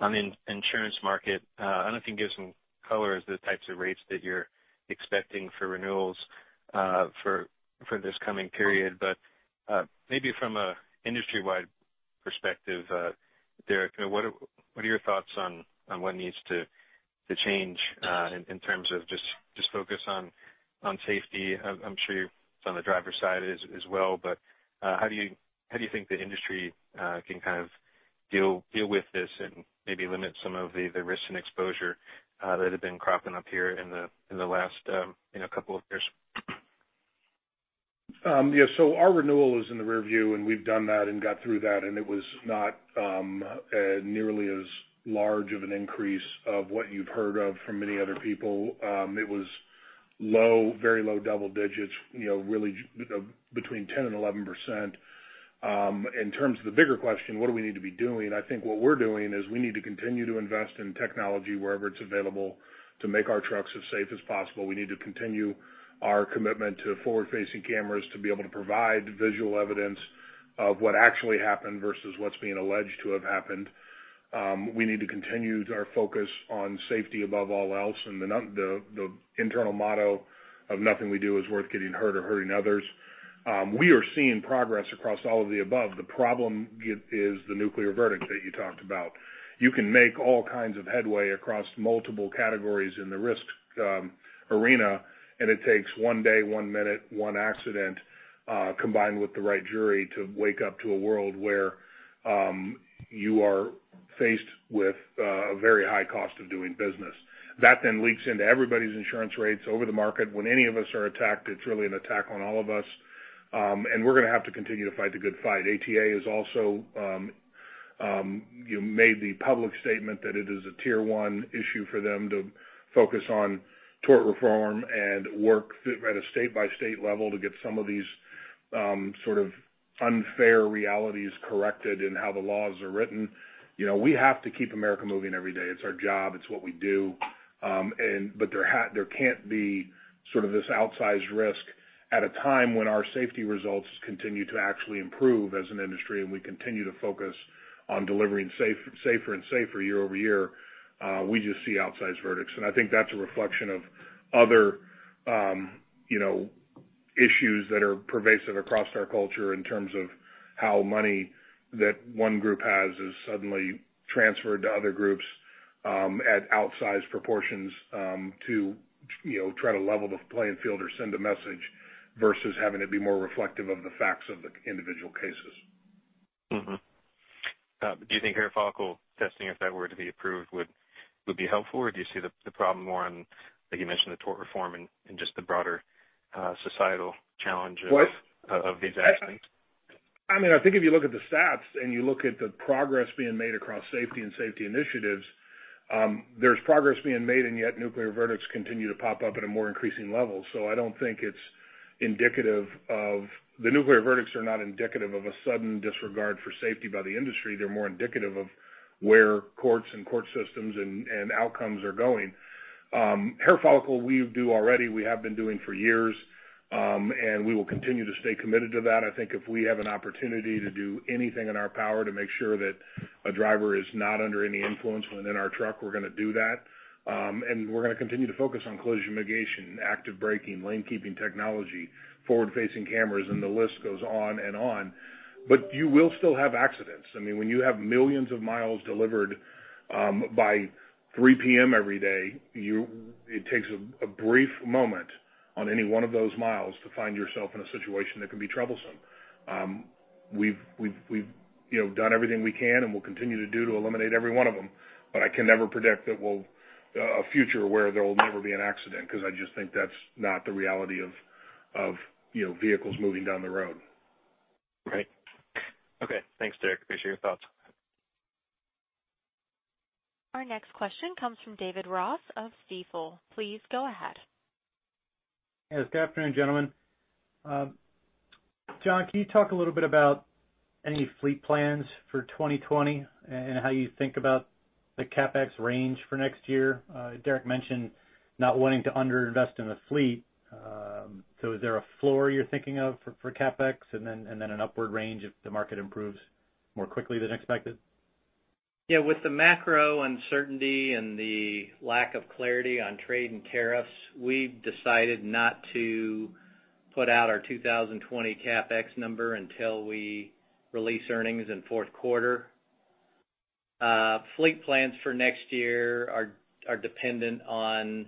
the insurance market. I don't know if you can give some color as to the types of rates that you're expecting for renewals for this coming period. Maybe from an industry-wide perspective, Derek, what are your thoughts on what needs to change in terms of just focus on safety? I'm sure it's on the driver side as well, but how do you think the industry can deal with this and maybe limit some of the risks and exposure that have been cropping up here in the last couple of years? Yeah. Our renewal is in the rearview, and we've done that and got through that, and it was not nearly as large of an increase of what you've heard of from many other people. It was very low double digits, really between 10% and 11%. In terms of the bigger question, what do we need to be doing? I think what we're doing is we need to continue to invest in technology wherever it's available to make our trucks as safe as possible. We need to continue our commitment to forward-facing cameras to be able to provide visual evidence of what actually happened versus what's being alleged to have happened. We need to continue our focus on safety above all else, and the internal motto of nothing we do is worth getting hurt or hurting others. We are seeing progress across all of the above. The problem is the nuclear verdict that you talked about. You can make all kinds of headway across multiple categories in the risk arena. It takes one day, one minute, one accident, combined with the right jury to wake up to a world where you are faced with a very high cost of doing business. Leaks into everybody's insurance rates over the market. When any of us are attacked, it's really an attack on all of us. We're going to have to continue to fight the good fight. ATA has also made the public statement that it is a tier 1 issue for them to focus on tort reform and work at a state-by-state level to get some of these sort of unfair realities corrected in how the laws are written. We have to keep America moving every day. It's our job. It's what we do. There can't be this outsized risk at a time when our safety results continue to actually improve as an industry, and we continue to focus on delivering safer and safer year-over-year. We just see outsized verdicts. I think that's a reflection of other issues that are pervasive across our culture in terms of how money that one group has is suddenly transferred to other groups at outsized proportions to try to level the playing field or send a message versus having it be more reflective of the facts of the individual cases. Do you think hair follicle testing, if that were to be approved, would be helpful, or do you see the problem more on, like you mentioned, the tort reform and just the broader societal challenges? What? of these accidents? I think if you look at the stats and you look at the progress being made across safety and safety initiatives, there's progress being made, and yet nuclear verdicts continue to pop up at a more increasing level. The nuclear verdicts are not indicative of a sudden disregard for safety by the industry. They're more indicative of where courts and court systems and outcomes are going. Hair follicle, we do already, we have been doing for years, and we will continue to stay committed to that. I think if we have an opportunity to do anything in our power to make sure that a driver is not under any influence when in our truck, we're going to do that. We're going to continue to focus on collision mitigation, active braking, lane keeping technology, forward-facing cameras, and the list goes on and on. You will still have accidents. When you have millions of miles delivered by 3:00 P.M. every day, it takes a brief moment on any one of those miles to find yourself in a situation that can be troublesome. We've done everything we can, and we'll continue to do to eliminate every one of them. I can never predict a future where there will never be an accident, because I just think that's not the reality of vehicles moving down the road. Right. Okay. Thanks, Derek. Appreciate your thoughts. Our next question comes from David Ross of Stifel. Please go ahead. Yes, good afternoon, gentlemen. John, can you talk a little bit about any fleet plans for 2020 and how you think about the CapEx range for next year? Derek mentioned not wanting to under-invest in the fleet. Is there a floor you're thinking of for CapEx and then an upward range if the market improves more quickly than expected? Yeah, with the macro uncertainty and the lack of clarity on trade and tariffs, we've decided not to put out our 2020 CapEx number until we release earnings in fourth quarter. Fleet plans for next year are dependent on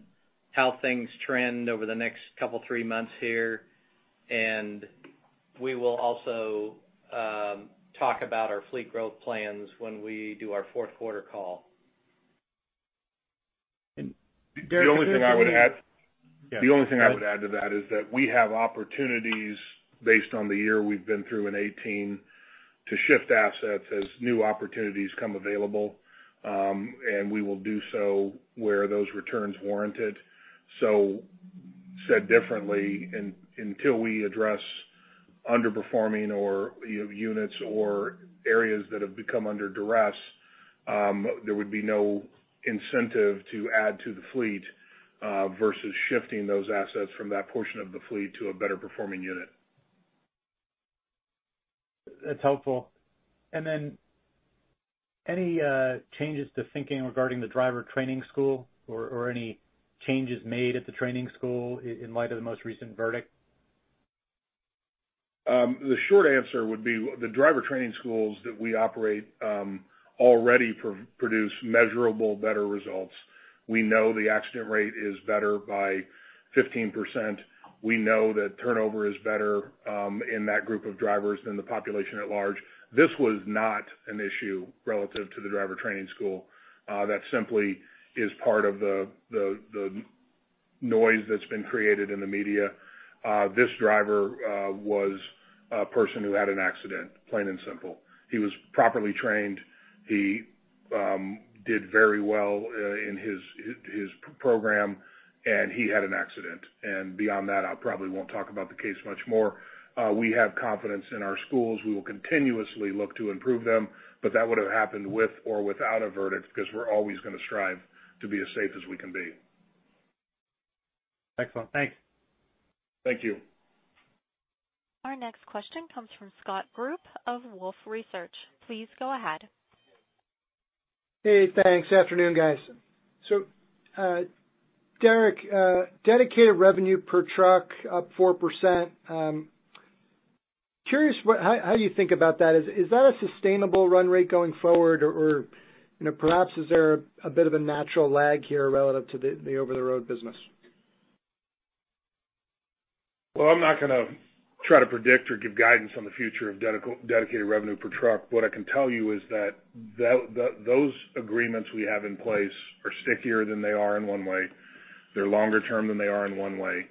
how things trend over the next couple three months here. We will also talk about our fleet growth plans when we do our fourth quarter call. And Derek- The only thing I would add to that is that we have opportunities based on the year we've been through in 2018 to shift assets as new opportunities come available. We will do so where those returns warranted. Said differently, until we address underperforming or units or areas that have become under duress, there would be no incentive to add to the fleet versus shifting those assets from that portion of the fleet to a better performing unit. That's helpful. Any changes to thinking regarding the driver training school or any changes made at the training school in light of the most recent verdict? The short answer would be the driver training schools that we operate already produce measurable better results. We know the accident rate is better by 15%. We know that turnover is better in that group of drivers than the population at large. This was not an issue relative to the driver training school. That simply is part of the noise that's been created in the media. This driver was a person who had an accident, plain and simple. He was properly trained. He did very well in his program, and he had an accident. Beyond that, I probably won't talk about the case much more. We have confidence in our schools. We will continuously look to improve them, but that would have happened with or without a verdict because we're always going to strive to be as safe as we can be. Excellent. Thanks. Thank you. Our next question comes from Scott Group of Wolfe Research. Please go ahead. Hey, thanks. Afternoon, guys. Derek, Dedicated revenue per truck up 4%. Curious how you think about that. Is that a sustainable run rate going forward, or perhaps, is there a bit of a natural lag here relative to the Over-the-Road business? Well, I'm not going to try to predict or give guidance on the future of dedicated revenue per truck. What I can tell you is that those agreements we have in place are stickier than they are in one-way. They're longer term than they are in one-way.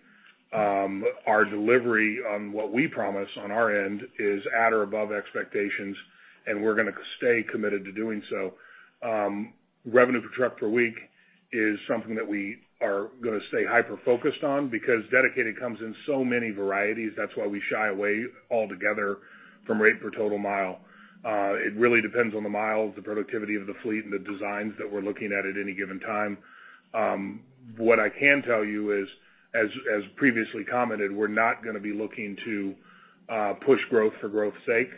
Our delivery on what we promise on our end is at or above expectations, and we're going to stay committed to doing so. Revenue per truck per week is something that we are going to stay hyper-focused on because dedicated comes in so many varieties. That's why we shy away altogether from rate per total mile. It really depends on the miles, the productivity of the fleet, and the designs that we're looking at any given time. What I can tell you is, as previously commented, we're not going to be looking to push growth for growth's sake.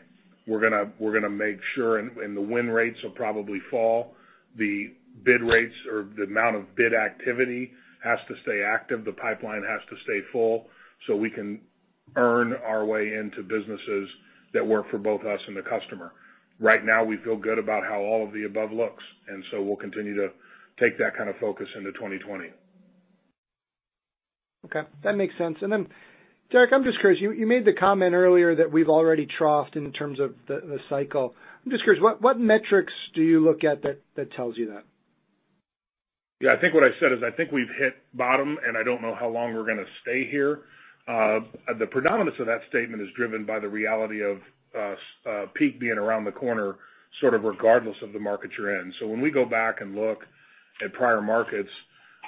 We're going to make sure. The win rates will probably fall. The bid rates or the amount of bid activity has to stay active. The pipeline has to stay full so we can earn our way into businesses that work for both us and the customer. Right now, we feel good about how all of the above looks. We'll continue to take that kind of focus into 2020. Okay. That makes sense. Derek, I'm just curious, you made the comment earlier that we've already troughed in terms of the cycle. I'm just curious, what metrics do you look at that tells you that? Yeah, I think what I said is, I think we've hit bottom, and I don't know how long we're going to stay here. The predominance of that statement is driven by the reality of peak being around the corner, sort of regardless of the market you're in. When we go back and look at prior markets,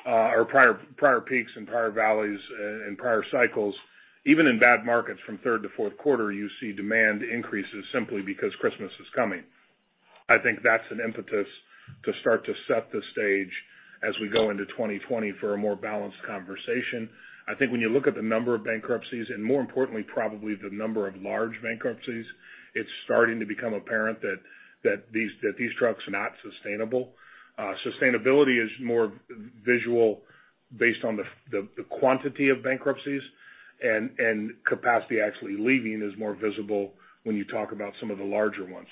or prior peaks and prior valleys and prior cycles, even in bad markets from third to fourth quarter, you see demand increases simply because Christmas is coming. I think that's an impetus to start to set the stage as we go into 2020 for a more balanced conversation. I think when you look at the number of bankruptcies, and more importantly, probably the number of large bankruptcies, it's starting to become apparent that these trucks are not sustainable. Sustainability is more visual based on the quantity of bankruptcies, and capacity actually leaving is more visible when you talk about some of the larger ones.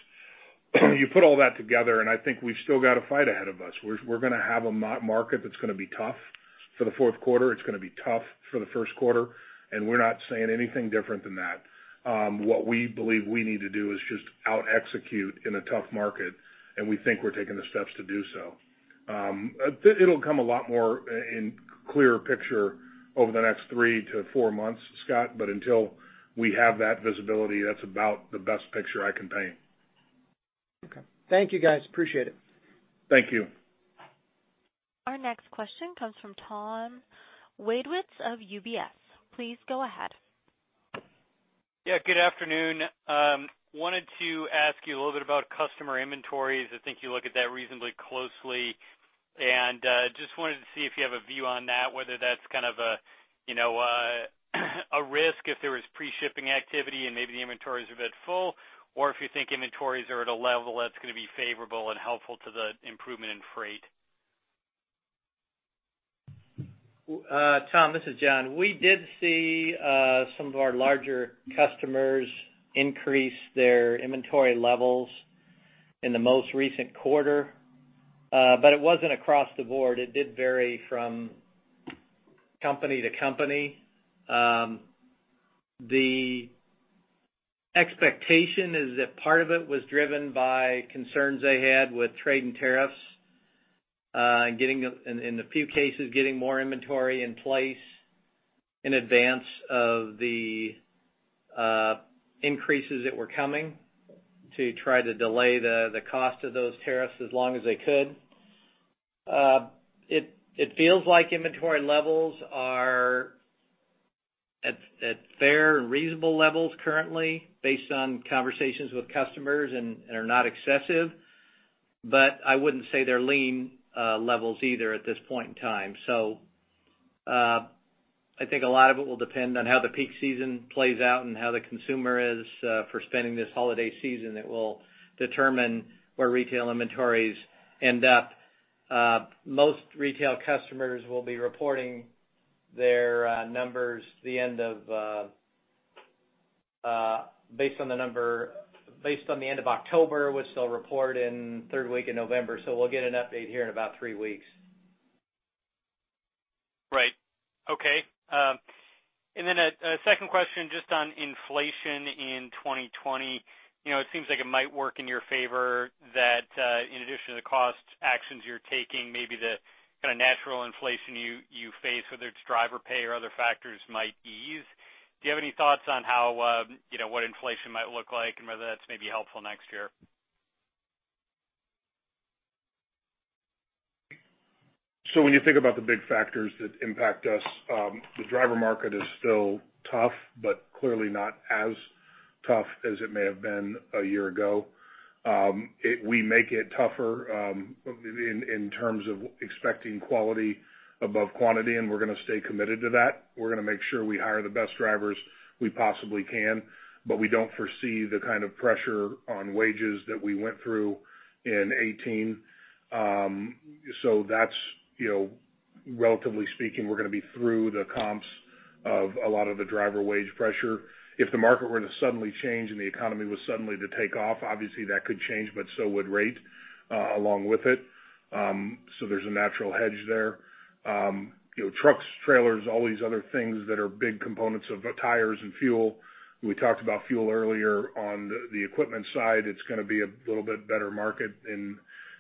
You put all that together, and I think we've still got a fight ahead of us. We're going to have a market that's going to be tough for the fourth quarter. It's going to be tough for the first quarter, and we're not saying anything different than that. What we believe we need to do is just out-execute in a tough market, and we think we're taking the steps to do so. It'll come a lot more in clearer picture over the next three to four months, Scott, but until we have that visibility, that's about the best picture I can paint. Okay. Thank you guys, appreciate it. Thank you. Our next question comes from Tom Wadewitz of UBS. Please go ahead. Yeah, good afternoon. Wanted to ask you a little bit about customer inventories. I think you look at that reasonably closely, and just wanted to see if you have a view on that, whether that's kind of a risk if there was pre-shipping activity and maybe the inventories are a bit full, or if you think inventories are at a level that's going to be favorable and helpful to the improvement in freight. Tom, this is John. We did see some of our larger customers increase their inventory levels in the most recent quarter. It wasn't across the board. It did vary from company to company. The expectation is that part of it was driven by concerns they had with trade and tariffs, and in a few cases, getting more inventory in place in advance of the increases that were coming to try to delay the cost of those tariffs as long as they could. It feels like inventory levels are at fair and reasonable levels currently based on conversations with customers and are not excessive. I wouldn't say they're lean levels either at this point in time. I think a lot of it will depend on how the peak season plays out and how the consumer is for spending this holiday season that will determine where retail inventories end up. Most retail customers will be reporting their numbers based on the end of October, which they'll report in third week of November. We'll get an update here in about three weeks. Right. Okay. A second question just on inflation in 2020. It seems like it might work in your favor that in addition to the cost actions you're taking, maybe the kind of natural inflation you face, whether it's driver pay or other factors might ease. Do you have any thoughts on what inflation might look like and whether that's maybe helpful next year? When you think about the big factors that impact us, the driver market is still tough, but clearly not as tough as it may have been a year ago. We make it tougher in terms of expecting quality above quantity, and we're going to stay committed to that. We're going to make sure we hire the best drivers we possibly can. We don't foresee the kind of pressure on wages that we went through in 2018. Relatively speaking, we're going to be through the comps of a lot of the driver wage pressure. If the market were to suddenly change and the economy was suddenly to take off, obviously that could change, but so would rate along with it. There's a natural hedge there. Trucks, trailers, all these other things that are big components of the tires and fuel. We talked about fuel earlier on the equipment side. It's going to be a little bit better market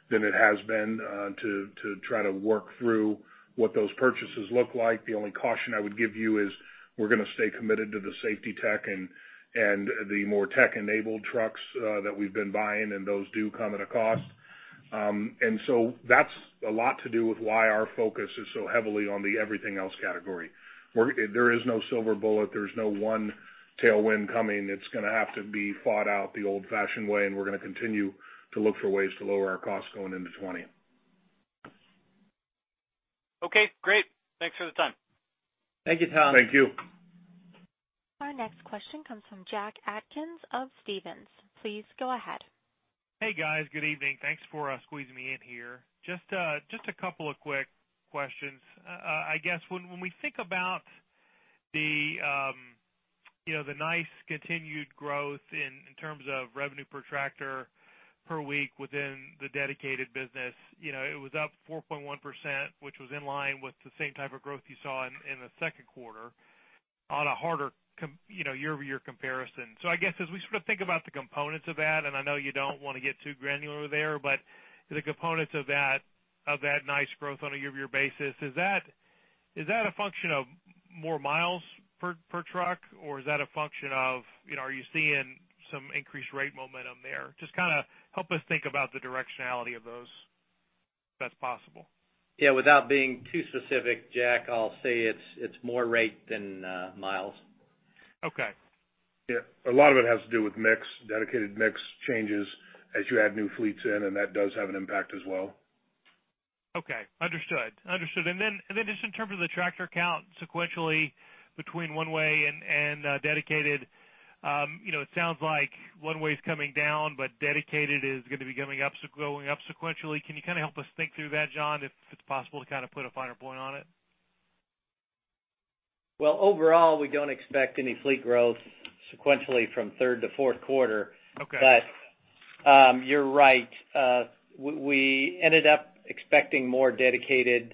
than it has been to try to work through what those purchases look like, the only caution I would give you is we're going to stay committed to the safety tech and the more tech-enabled trucks that we've been buying, and those do come at a cost. That's a lot to do with why our focus is so heavily on the everything else category. There is no silver bullet, there's no one tailwind coming. It's going to have to be fought out the old-fashioned way, and we're going to continue to look for ways to lower our costs going into 2020. Okay, great. Thanks for the time. Thank you, Tom. Thank you. Our next question comes from Jack Atkins of Stephens. Please go ahead. Hey, guys. Good evening. Thanks for squeezing me in here. Just a couple of quick questions. I guess when we think about the nice continued growth in terms of revenue per tractor per week within the Dedicated business, it was up 4.1%, which was in line with the same type of growth you saw in the second quarter on a harder year-over-year comparison. I guess as we sort of think about the components of that, and I know you don't want to get too granular there, but the components of that nice growth on a year-over-year basis, is that a function of more miles per truck, or is that a function of, are you seeing some increased rate momentum there? Just kind of help us think about the directionality of those, if that's possible. Yeah. Without being too specific, Jack, I'll say it's more rate than miles. Okay. Yeah, a lot of it has to do with mix, dedicated mix changes as you add new fleets in, and that does have an impact as well. Okay, understood. Understood. Just in terms of the tractor count sequentially between one-way and Dedicated, it sounds like one-way's coming down, but Dedicated is going to be going up sequentially. Can you kind of help us think through that, John, if it's possible to kind of put a finer point on it? Well, overall, we don't expect any fleet growth sequentially from third to fourth quarter. Okay. You're right. We ended up expecting more dedicated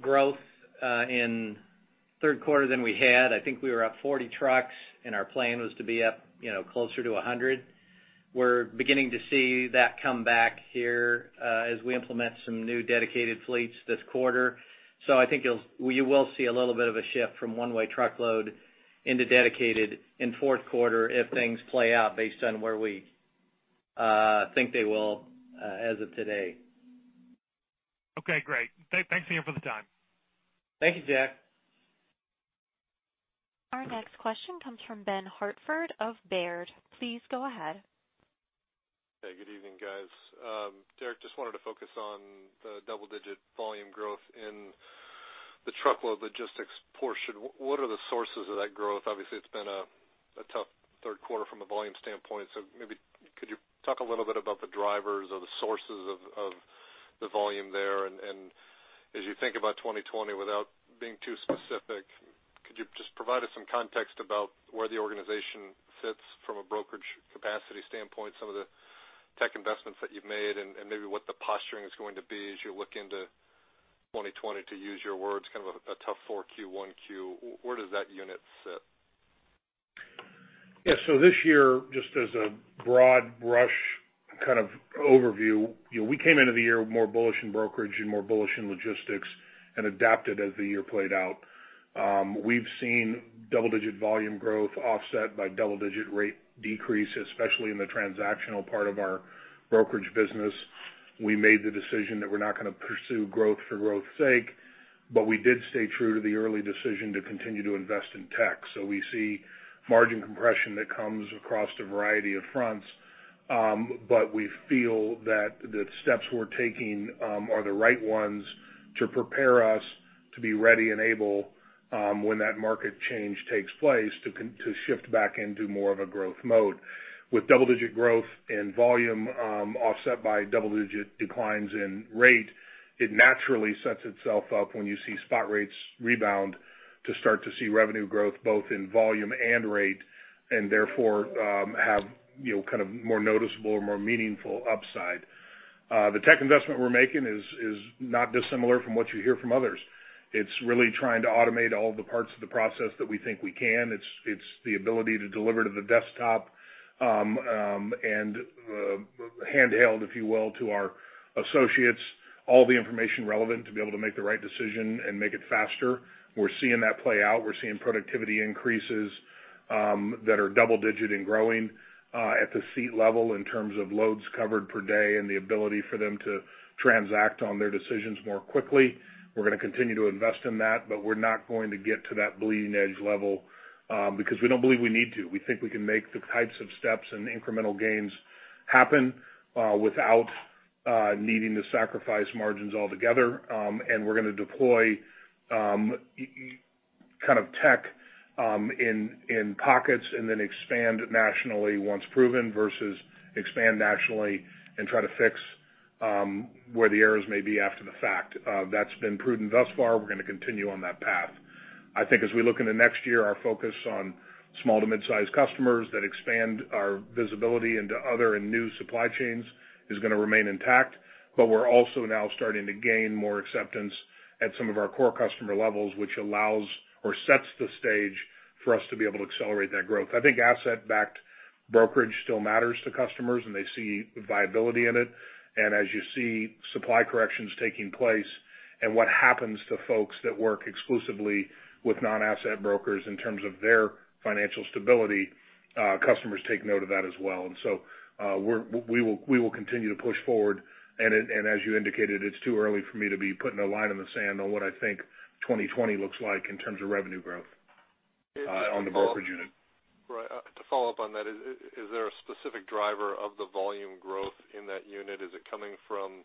growth in third quarter than we had. I think we were up 40 trucks, and our plan was to be up closer to 100. We're beginning to see that come back here as we implement some new dedicated fleets this quarter. I think you will see a little bit of a shift from one-way truckload into dedicated in fourth quarter if things play out based on where we think they will as of today. Okay, great. Thanks again for the time. Thank you, Jack. Our next question comes from Ben Hartford of Baird. Please go ahead. Hey, good evening, guys. Derek, just wanted to focus on the double-digit volume growth in the truckload logistics portion. What are the sources of that growth? Obviously, it's been a tough third quarter from a volume standpoint. Maybe could you talk a little bit about the drivers or the sources of the volume there and as you think about 2020 without being too specific, could you just provide us some context about where the organization sits from a brokerage capacity standpoint, some of the tech investments that you've made, and maybe what the posturing is going to be as you look into 2020, to use your words, kind of a tough 4Q, 1Q. Where does that unit sit? Yeah. This year, just as a broad brush kind of overview, we came into the year more bullish in brokerage and more bullish in logistics and adapted as the year played out. We've seen double-digit volume growth offset by double-digit rate decrease, especially in the transactional part of our brokerage business. We made the decision that we're not going to pursue growth for growth's sake, but we did stay true to the early decision to continue to invest in tech. We see margin compression that comes across a variety of fronts. We feel that the steps we're taking are the right ones to prepare us to be ready and able when that market change takes place to shift back into more of a growth mode. With double-digit growth and volume offset by double-digit declines in rate, it naturally sets itself up when you see spot rates rebound to start to see revenue growth both in volume and rate, and therefore have kind of more noticeable or more meaningful upside. The tech investment we're making is not dissimilar from what you hear from others. It's really trying to automate all the parts of the process that we think we can. It's the ability to deliver to the desktop, and handheld, if you will, to our associates, all the information relevant to be able to make the right decision and make it faster. We're seeing that play out. We're seeing productivity increases that are double digit and growing at the seat level in terms of loads covered per day and the ability for them to transact on their decisions more quickly. We're going to continue to invest in that, we're not going to get to that bleeding edge level because we don't believe we need to. We think we can make the types of steps and incremental gains happen without needing to sacrifice margins altogether, we're going to deploy tech in pockets and then expand nationally once proven versus expand nationally and try to fix where the errors may be after the fact. That's been prudent thus far. We're going to continue on that path. I think as we look into next year, our focus on small to mid-size customers that expand our visibility into other and new supply chains is going to remain intact. We're also now starting to gain more acceptance at some of our core customer levels, which allows or sets the stage for us to be able to accelerate that growth. I think asset-backed brokerage still matters to customers, and they see viability in it. As you see supply corrections taking place and what happens to folks that work exclusively with non-asset brokers in terms of their financial stability, customers take note of that as well. We will continue to push forward, and as you indicated, it's too early for me to be putting a line in the sand on what I think 2020 looks like in terms of revenue growth on the brokerage unit. Right. To follow up on that, is there a specific driver of the volume growth in that unit? Is it coming from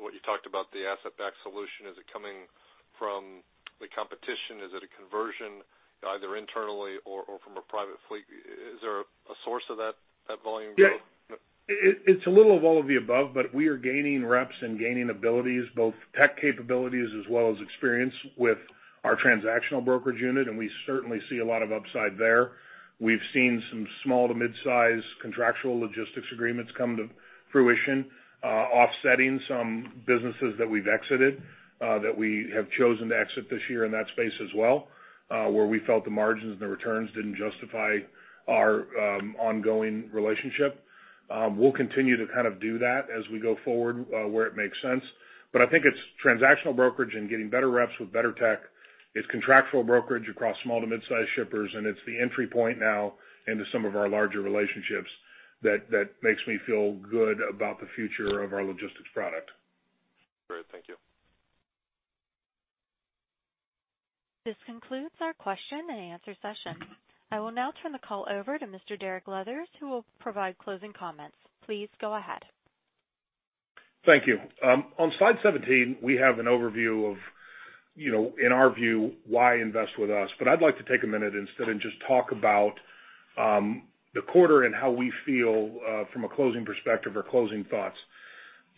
what you talked about, the asset-backed solution? Is it coming from the competition? Is it a conversion, either internally or from a private fleet? Is there a source of that volume growth? Yeah. It's a little of all of the above. We are gaining reps and gaining abilities, both tech capabilities as well as experience with our transactional brokerage unit, and we certainly see a lot of upside there. We've seen some small to mid-size contractual logistics agreements come to fruition, offsetting some businesses that we've exited, that we have chosen to exit this year in that space as well, where we felt the margins and the returns didn't justify our ongoing relationship. We'll continue to do that as we go forward where it makes sense. I think it's transactional brokerage and getting better reps with better tech. It's contractual brokerage across small to mid-size shippers, and it's the entry point now into some of our larger relationships that makes me feel good about the future of our logistics product. Great. Thank you. This concludes our question and answer session. I will now turn the call over to Mr. Derek Leathers, who will provide closing comments. Please go ahead. Thank you. On slide 17, we have an overview of, in our view, why invest with us. I'd like to take a minute instead and just talk about the quarter and how we feel from a closing perspective or closing thoughts.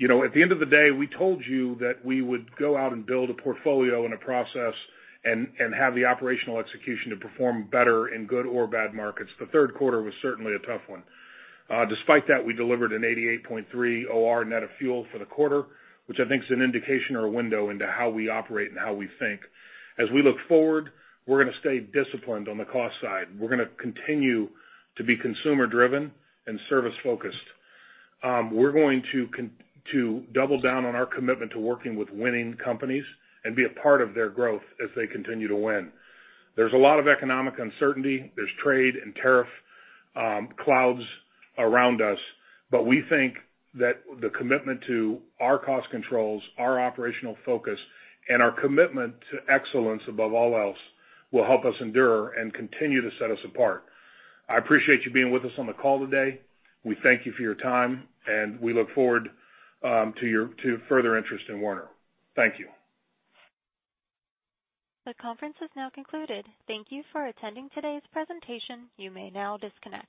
At the end of the day, we told you that we would go out and build a portfolio and a process, and have the operational execution to perform better in good or bad markets. The third quarter was certainly a tough one. Despite that, we delivered an 88.3 OR net of fuel for the quarter, which I think is an indication or a window into how we operate and how we think. As we look forward, we're going to stay disciplined on the cost side. We're going to continue to be consumer driven and service focused. We're going to double down on our commitment to working with winning companies and be a part of their growth as they continue to win. There's a lot of economic uncertainty. There's trade and tariff clouds around us. We think that the commitment to our cost controls, our operational focus, and our commitment to excellence above all else will help us endure and continue to set us apart. I appreciate you being with us on the call today. We thank you for your time, and we look forward to further interest in Werner. Thank you. The conference is now concluded. Thank you for attending today's presentation. You may now disconnect.